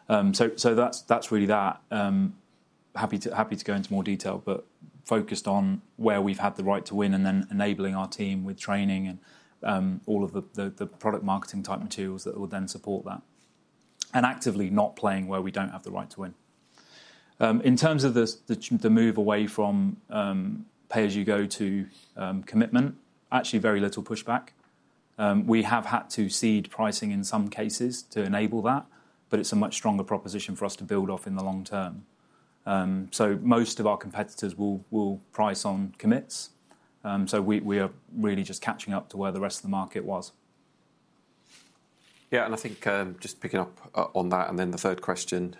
That is really that. Happy to go into more detail, but focused on where we have had the right-to-win and then enabling our team with training and all of the product marketing type materials that will then support that. Actively not playing where we do not have the right-to-win. In terms of the move away from pay-as-you-go to commitment, actually very little pushback. We have had to cede pricing in some cases to enable that, but it is a much stronger proposition for us to build off in the long term. Most of our competitors will price on commits. We are really just catching up to where the rest of the market was. Yeah, and I think just picking up on that and then the third question,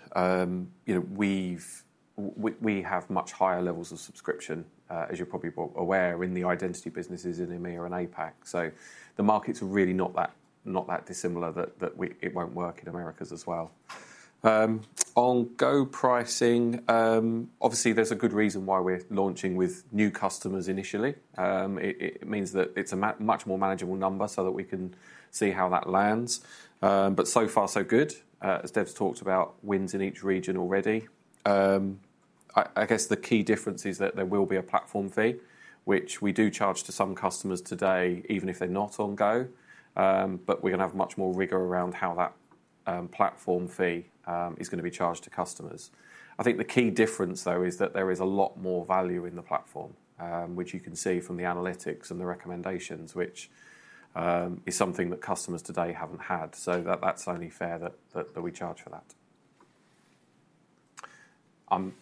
we have much higher levels of subscription, as you're probably aware, in the identity businesses in EMEA and APAC. The market's really not that dissimilar that it won't work in the US as well. On GO pricing, obviously there's a good reason why we're launching with new customers initially. It means that it's a much more manageable number so that we can see how that lands. So far, so good. As Dev's talked about, wins in each region already. I guess the key difference is that there will be a platform fee, which we do charge to some customers today, even if they're not on GO. We're going to have much more rigor around how that platform fee is going to be charged to customers. I think the key difference, though, is that there is a lot more value in the platform, which you can see from the analytics and the recommendations, which is something that customers today have not had. So that is only fair that we charge for that.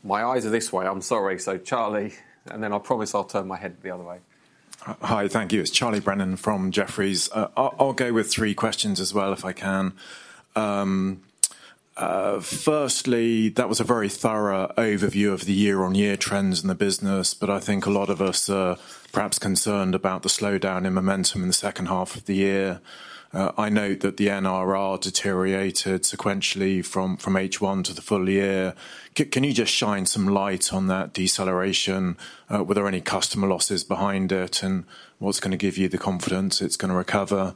My eyes are this way. I am sorry. So Charlie, and then I promise I will turn my head the other way. Hi, thank you. It is Charlie Brennan from Jefferies. I will go with three questions as well if I can. Firstly, that was a very thorough overview of the year-on-year trends in the business, but I think a lot of us are perhaps concerned about the slowdown in momentum in the second half of the year. I note that the NRR deteriorated sequentially from H1 to the full year. Can you just shine some light on that deceleration? Were there any customer losses behind it? What's going to give you the confidence it's going to recover?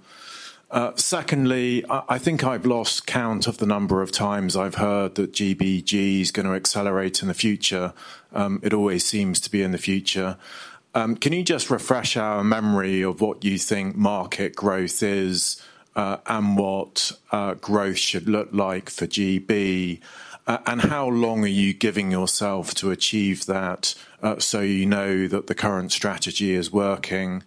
Secondly, I think I've lost count of the number of times I've heard that GBG is going to accelerate in the future. It always seems to be in the future. Can you just refresh our memory of what you think market growth is and what growth should look like for GBG? How long are you giving yourself to achieve that so you know that the current strategy is working?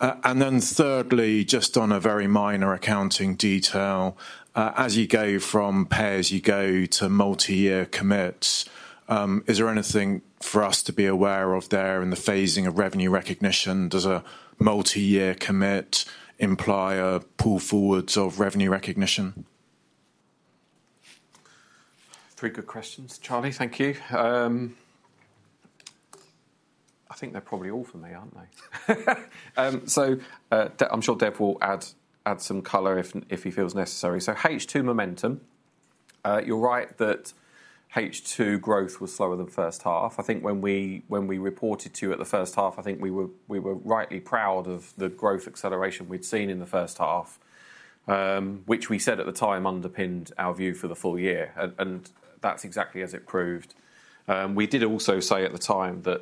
Thirdly, just on a very minor accounting detail, as you go from pay-as-you-go to multi-year commits, is there anything for us to be aware of there in the phasing of revenue recognition? Does a multi-year commit imply a pull forwards of revenue recognition? Three good questions. Charlie, thank you. I think they're probably all for me, aren't they? I'm sure Dev will add some color if he feels necessary. H2 momentum, you're right that H2 growth was slower than first half. I think when we reported to you at the first half, I think we were rightly proud of the growth acceleration we'd seen in the first half, which we said at the time underpinned our view for the full year. That's exactly as it proved. We did also say at the time that,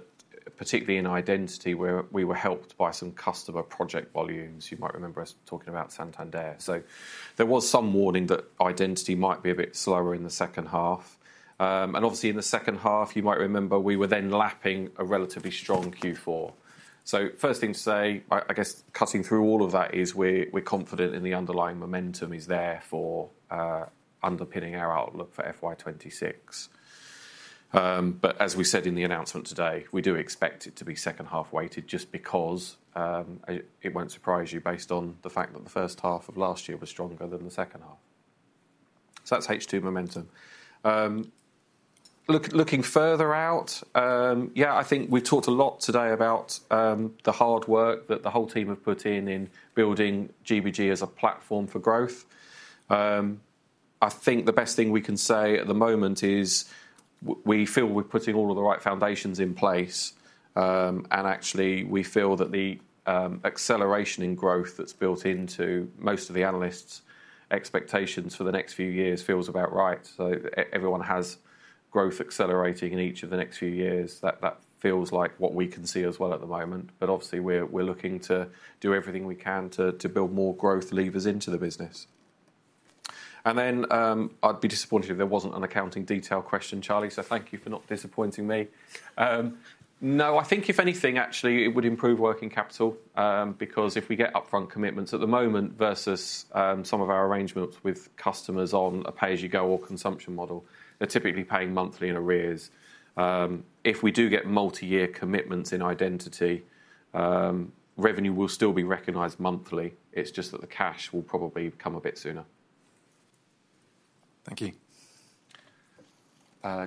particularly in identity, we were helped by some customer project volumes. You might remember us talking about Santander. There was some warning that identity might be a bit slower in the second half. Obviously, in the second half, you might remember we were then lapping a relatively strong Q4. First thing to say, I guess cutting through all of that is we're confident the underlying momentum is there for underpinning our outlook for FY2026. As we said in the announcement today, we do expect it to be second half weighted just because it won't surprise you based on the fact that the first half of last year was stronger than the second half. That is H2 momentum. Looking further out, yeah, I think we've talked a lot today about the hard work that the whole team have put in in building GBG as a platform for growth. I think the best thing we can say at the moment is we feel we're putting all of the right foundations in place. Actually, we feel that the acceleration in growth that's built into most of the analysts' expectations for the next few years feels about right. Everyone has growth accelerating in each of the next few years. That feels like what we can see as well at the moment. Obviously, we're looking to do everything we can to build more growth levers into the business. I'd be disappointed if there wasn't an accounting detail question, Charlie. Thank you for not disappointing me. No, I think if anything, actually, it would improve working capital because if we get upfront commitments at the moment versus some of our arrangements with customers on a pay-as-you-go or consumption model, they're typically paying monthly in arrears. If we do get multi-year commitments in identity, revenue will still be recognized monthly. It's just that the cash will probably come a bit sooner. Thank you.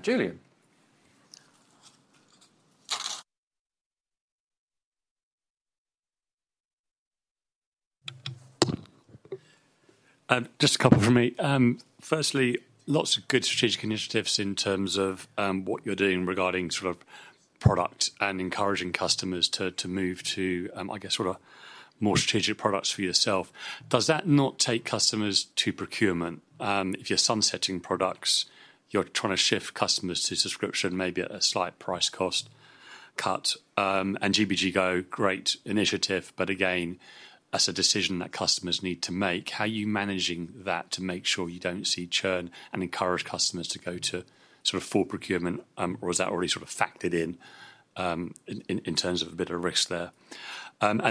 Julian. Just a couple for me. Firstly, lots of good strategic initiatives in terms of what you're doing regarding sort of product and encouraging customers to move to, I guess, sort of more strategic products for yourself. Does that not take customers to procurement? If you're sunsetting products, you're trying to shift customers to subscription, maybe at a slight price cost cut. And GBG GO, great initiative, but again, that's a decision that customers need to make. How are you managing that to make sure you don't see churn and encourage customers to go to sort of full procurement? Is that already sort of factored in in terms of a bit of risk there?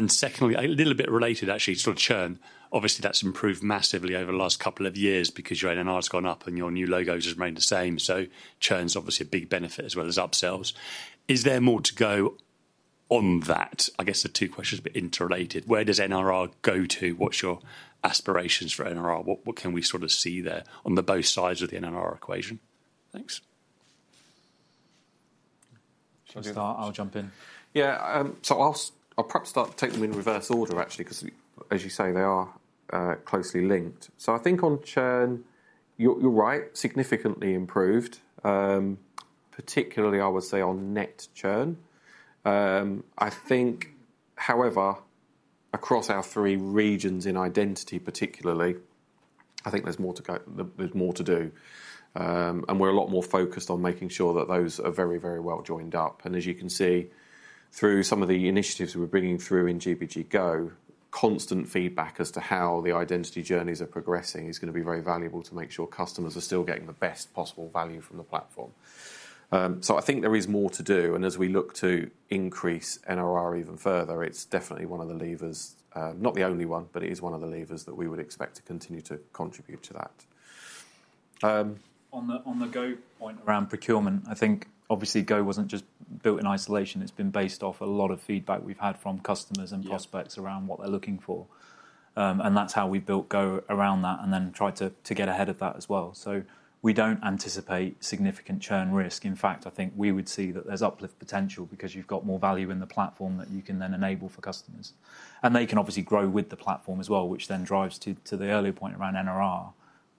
Secondly, a little bit related, actually, sort of churn. Obviously, that's improved massively over the last couple of years because your NRR has gone up and your new logos have remained the same. Churn is obviously a big benefit as well as upsells. Is there more to go on that? I guess the two questions are a bit interrelated. Where does NRR go to? What is your aspiration for NRR? What can we sort of see there on both sides of the NRR equation? Thanks. Shall I start? I'll jump in. Yeah. I'll perhaps start taking them in reverse order, actually, because as you say, they are closely linked. I think on churn, you're right, significantly improved, particularly, I would say, on net churn. I think, however, across our three regions in identity, particularly, I think there is more to do. We are a lot more focused on making sure that those are very, very well joined up. As you can see through some of the initiatives we are bringing through in GBG GO, constant feedback as to how the identity journeys are progressing is going to be very valuable to make sure customers are still getting the best possible value from the platform. I think there is more to do. As we look to increase NRR even further, it is definitely one of the levers, not the only one, but it is one of the levers that we would expect to continue to contribute to that. On the GO point around procurement, I think obviously GO was not just built in isolation. It has been based off a lot of feedback we have had from customers and prospects around what they are looking for. That is how we have built GO around that and then tried to get ahead of that as well. We do not anticipate significant churn risk. In fact, I think we would see that there's uplift potential because you've got more value in the platform that you can then enable for customers. They can obviously grow with the platform as well, which then drives to the earlier point around NRR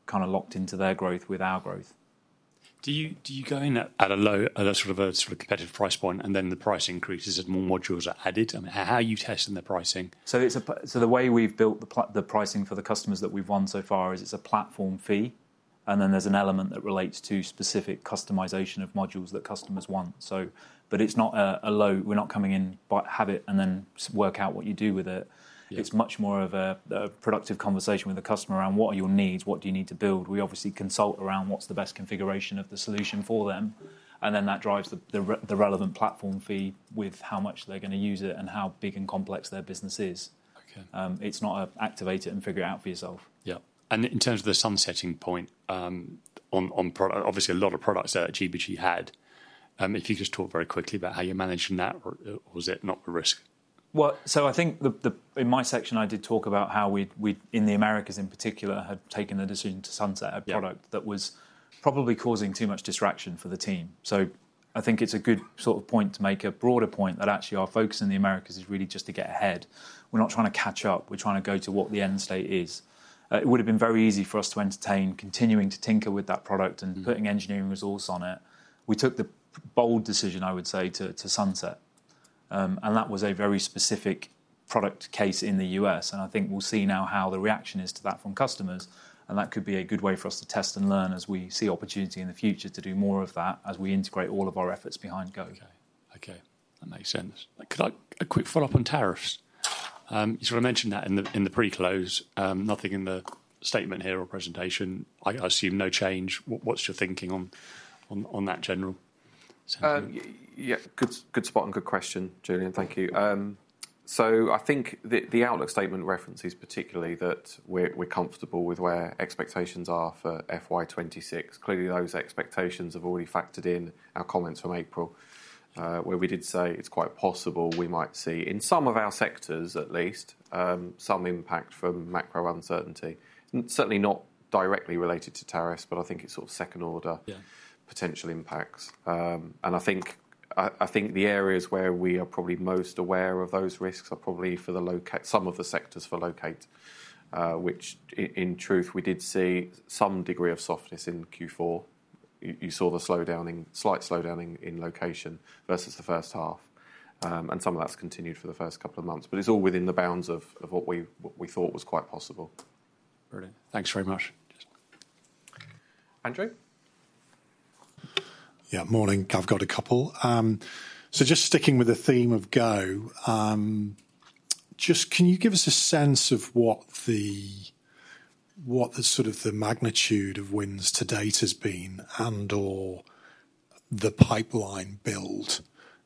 kind of locked into their growth with our growth. Do you go in at a sort of a competitive price point and then the price increases as more modules are added? I mean, how are you testing the pricing? The way we've built the pricing for the customers that we've won so far is it's a platform fee, and then there's an element that relates to specific customization of modules that customers want. It's not a low, we're not coming in by habit and then work out what you do with it. It's much more of a productive conversation with the customer around what are your needs? What do you need to build? We obviously consult around what's the best configuration of the solution for them. That drives the relevant platform fee with how much they're going to use it and how big and complex their business is. It's not an activate it and figure it out for yourself. Yeah. In terms of the sunsetting point, obviously a lot of products that GBG had, if you could just talk very quickly about how you're managing that, was it not a risk? I think in my section, I did talk about how we, in the Americas in particular, had taken the decision to sunset a product that was probably causing too much distraction for the team. I think it's a good sort of point to make a broader point that actually our focus in the Americas is really just to get ahead. We're not trying to catch up. We're trying to go to what the end state is. It would have been very easy for us to entertain continuing to tinker with that product and putting engineering results on it. We took the bold decision, I would say, to sunset. That was a very specific product case in the US. I think we'll see now how the reaction is to that from customers. That could be a good way for us to test and learn as we see opportunity in the future to do more of that as we integrate all of our efforts behind GO. Okay. That makes sense. A quick follow-up on tariffs. You sort of mentioned that in the pre-close. Nothing in the statement here or presentation. I assume no change. What's your thinking on that general? Yeah. Good spot and good question, Julian. Thank you. I think the outlook statement references particularly that we're comfortable with where expectations are for FY2026. Clearly, those expectations have already factored in our comments from April, where we did say it's quite possible we might see, in some of our sectors at least, some impact from macro uncertainty. Certainly not directly related to tariffs, but I think it's sort of second order potential impacts. I think the areas where we are probably most aware of those risks are probably for some of the sectors for Loqate, which in truth, we did see some degree of softness in Q4. You saw the slight slowdown in location versus the first half. Some of that's continued for the first couple of months. It's all within the bounds of what we thought was quite possible. Brilliant. Thanks very much. Andrew. Yeah. Morning. I've got a couple. Just sticking with the theme of GO, can you give us a sense of what the sort of magnitude of wins to date has been and/or the pipeline build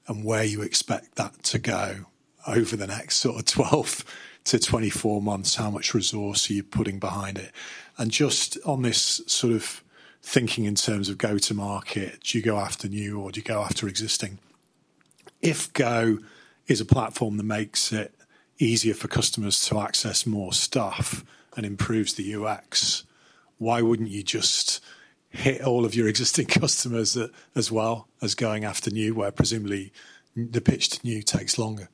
and where you expect that to go over the next 12-24 months, how much resource are you putting behind it? Just on this, thinking in terms of go-to-market, do you go after new or do you go after existing? If GO is a platform that makes it easier for customers to access more stuff and improves the UX, why wouldn't you just hit all of your existing customers as well as going after new, where presumably the pitch to new takes longer?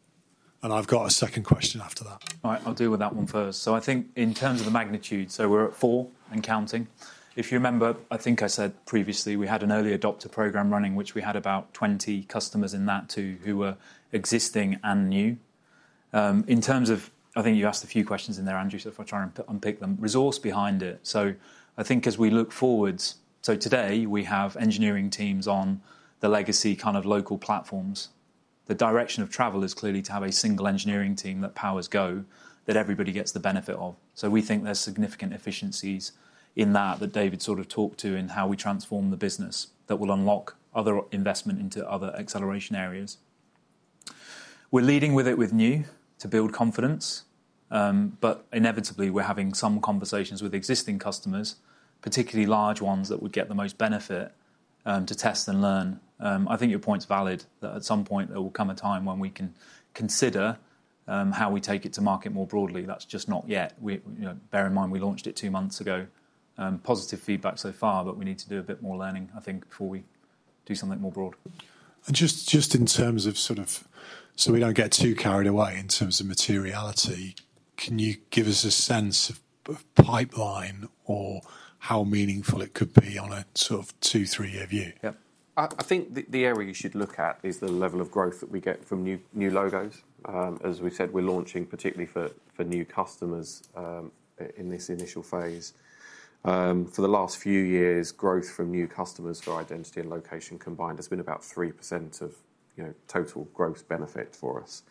I've got a second question after that. All right. I'll deal with that one first. I think in terms of the magnitude, we're at four and counting. If you remember, I think I said previously, we had an early adopter program running, which we had about 20 customers in that too who were existing and new. In terms of, I think you asked a few questions in there, Andrew, if I try and unpick them, resource behind it. I think as we look forwards, today we have engineering teams on the legacy kind of local platforms. The direction of travel is clearly to have a single engineering team that powers GO that everybody gets the benefit of. We think there are significant efficiencies in that that David sort of talked to in how we transform the business that will unlock other investment into other acceleration areas. We're leading with it with new to build confidence. Inevitably, we're having some conversations with existing customers, particularly large ones that would get the most benefit to test and learn. I think your point's valid that at some point there will come a time when we can consider how we take it to market more broadly. That is just not yet. Bear in mind we launched it two months ago. Positive feedback so far, but we need to do a bit more learning, I think, before we do something more broad. Just in terms of sort of so we do not get too carried away in terms of materiality, can you give us a sense of pipeline or how meaningful it could be on a sort of two, three-year view? Yeah. I think the area you should look at is the level of growth that we get from new logos. As we said, we are launching particularly for new customers in this initial phase. For the last few years, growth from new customers for Identity and Location combined has been about 3% of total growth benefit for us.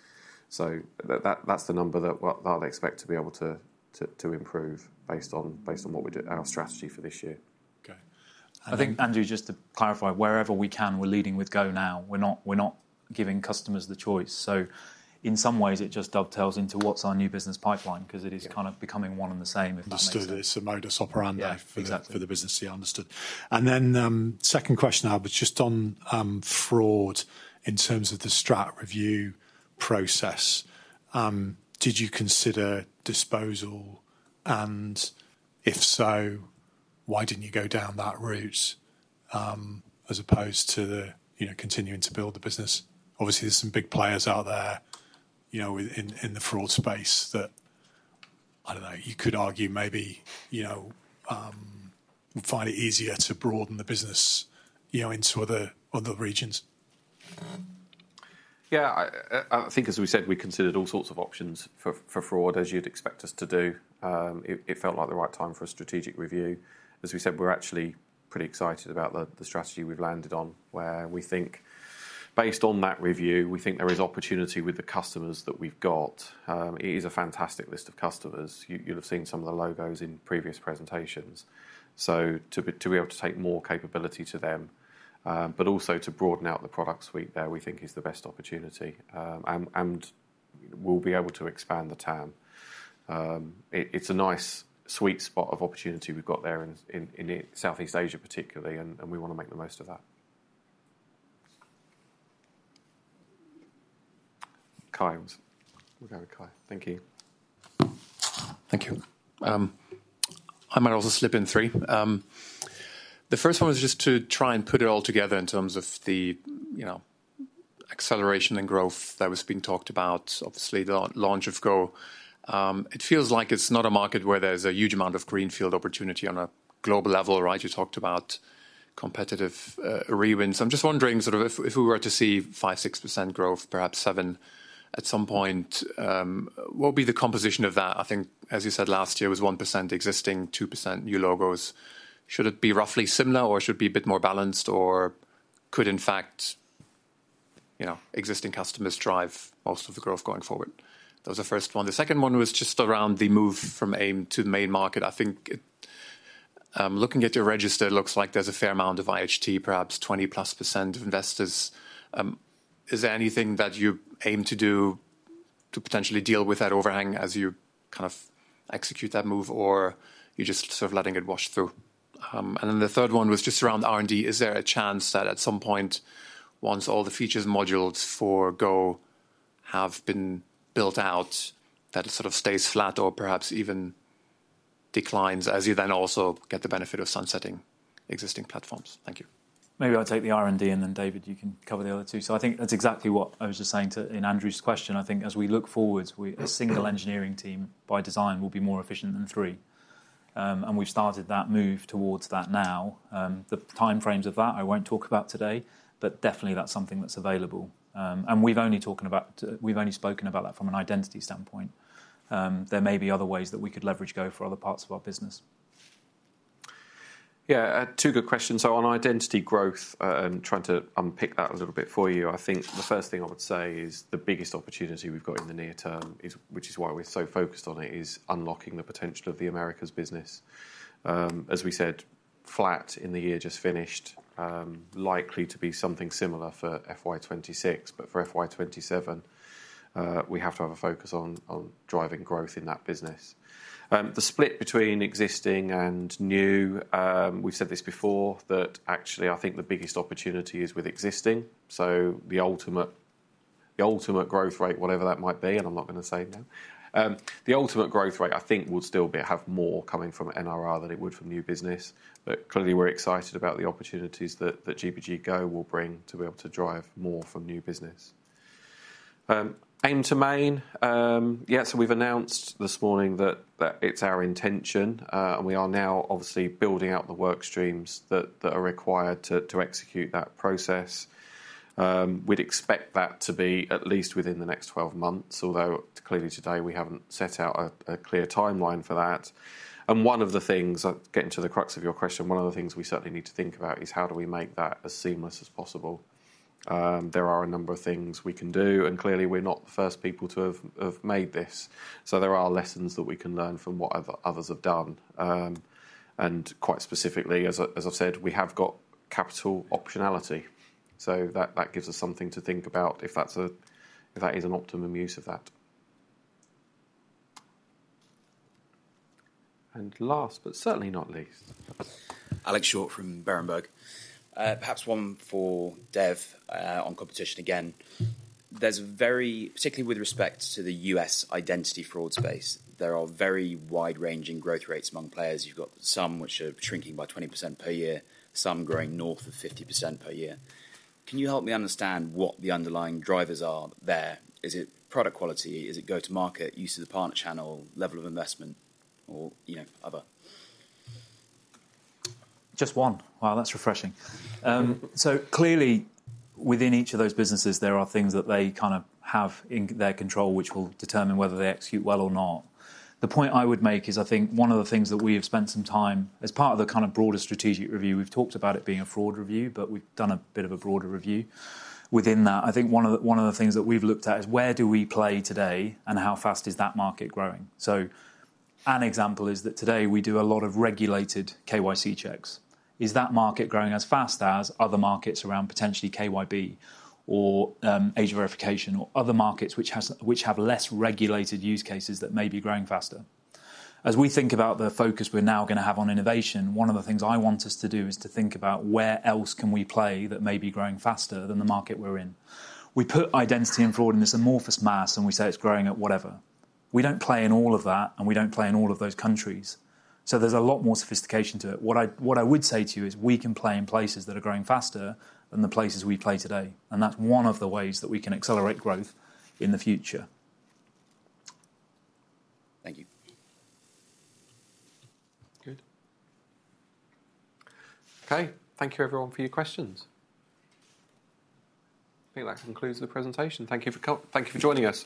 That is the number that I would expect to be able to improve based on what our strategy for this year. Okay. I think, Andrew, just to clarify, wherever we can, we are leading with GO now. We are not giving customers the choice. In some ways, it just dovetails into what's our new business pipeline because it is kind of becoming one and the same. Understood. It's a modus operandi for the business. Yeah, understood. Second question now, but just on Fraud in terms of the strat review process. Did you consider disposal? And if so, why didn't you go down that route as opposed to continuing to build the business? Obviously, there's some big players out there in the Fraud space that, I don't know, you could argue maybe find it easier to broaden the business into other regions. Yeah. I think, as we said, we considered all sorts of options for Fraud, as you'd expect us to do. It felt like the right time for a strategic review. As we said, we're actually pretty excited about the strategy we've landed on, where we think, based on that review, we think there is opportunity with the customers that we've got. It is a fantastic list of customers. You'll have seen some of the logos in previous presentations. To be able to take more capability to them, but also to broaden out the product suite there, we think is the best opportunity. We'll be able to expand the TAM. It's a nice sweet spot of opportunity we've got there in Southeast Asia, particularly, and we want to make the most of that. Kyle. We'll go with Kyle. Thank you. Thank you. I might also slip in three. The first one was just to try and put it all together in terms of the acceleration and growth that was being talked about, obviously, the launch of GO. It feels like it's not a market where there's a huge amount of greenfield opportunity on a global level, right? You talked about competitive re-wins. I'm just wondering sort of if we were to see 5%, 6% growth, perhaps 7% at some point, what would be the composition of that? I think, as you said last year, it was 1% existing, 2% new logos. Should it be roughly similar, or should it be a bit more balanced, or could, in fact, existing customers drive most of the growth going forward? That was the first one. The second one was just around the move from AIM to the main market. I think looking at your register, it looks like there's a fair amount of IHT, perhaps 20%+ of investors. Is there anything that you aim to do to potentially deal with that overhang as you kind of execute that move, or are you just sort of letting it wash through? The third one was just around R&D. Is there a chance that at some point, once all the features and modules for GO have been built out, that it sort of stays flat or perhaps even declines as you then also get the benefit of sunsetting existing platforms? Thank you. Maybe I'll take the R&D, and then David, you can cover the other two. I think that's exactly what I was just saying in Andrew's question. I think as we look forward, a single engineering team by design will be more efficient than three. We've started that move towards that now. The timeframes of that, I won't talk about today, but definitely that's something that's available. We've only spoken about that from an identity standpoint. There may be other ways that we could leverage GO for other parts of our business. Yeah. Two good questions. On identity growth, I'm trying to unpick that a little bit for you. I think the first thing I would say is the biggest opportunity we've got in the near term, which is why we're so focused on it, is unlocking the potential of the Americas business. As we said, flat in the year just finished, likely to be something similar for FY2026. For FY2027, we have to have a focus on driving growth in that business. The split between existing and new, we've said this before, that actually I think the biggest opportunity is with existing. The ultimate growth rate, whatever that might be, and I'm not going to say now, the ultimate growth rate I think will still have more coming from NRR than it would from new business. Clearly, we're excited about the opportunities that GBG GO will bring to be able to drive more from new business. Aim to main. Yeah. We've announced this morning that it's our intention, and we are now obviously building out the work streams that are required to execute that process. We'd expect that to be at least within the next 12 months, although clearly today we haven't set out a clear timeline for that. One of the things, getting to the crux of your question, one of the things we certainly need to think about is how do we make that as seamless as possible? There are a number of things we can do, and clearly we are not the first people to have made this. There are lessons that we can learn from what others have done. Quite specifically, as I have said, we have got capital optionality. That gives us something to think about if that is an optimum use of that. Last, but certainly not least. Alex Short from Berenberg. Perhaps one for Dev on competition again. Particularly with respect to the U.S. Identity fraud space, there are very wide-ranging growth rates among players. You have got some which are shrinking by 20% per year, some growing north of 50% per year. Can you help me understand what the underlying drivers are there? Is it product quality? Is it go-to-market, use of the partner channel, level of investment, or other? Just one. Wow, that is refreshing. Clearly, within each of those businesses, there are things that they kind of have in their control which will determine whether they execute well or not. The point I would make is I think one of the things that we have spent some time as part of the kind of broader strategic review, we've talked about it being a fraud review, but we've done a bit of a broader review. Within that, I think one of the things that we've looked at is where do we play today and how fast is that market growing? An example is that today we do a lot of regulated KYC checks. Is that market growing as fast as other markets around potentially KYB or age verification or other markets which have less regulated use cases that may be growing faster? As we think about the focus we're now going to have on innovation, one of the things I want us to do is to think about where else can we play that may be growing faster than the market we're in. We put Identity and Fraud in this amorphous mass, and we say it's growing at whatever. We don't play in all of that, and we don't play in all of those countries. There is a lot more sophistication to it. What I would say to you is we can play in places that are growing faster than the places we play today. That is one of the ways that we can accelerate growth in the future. Thank you. Good. Okay. Thank you, everyone, for your questions. I think that concludes the presentation. Thank you for joining us.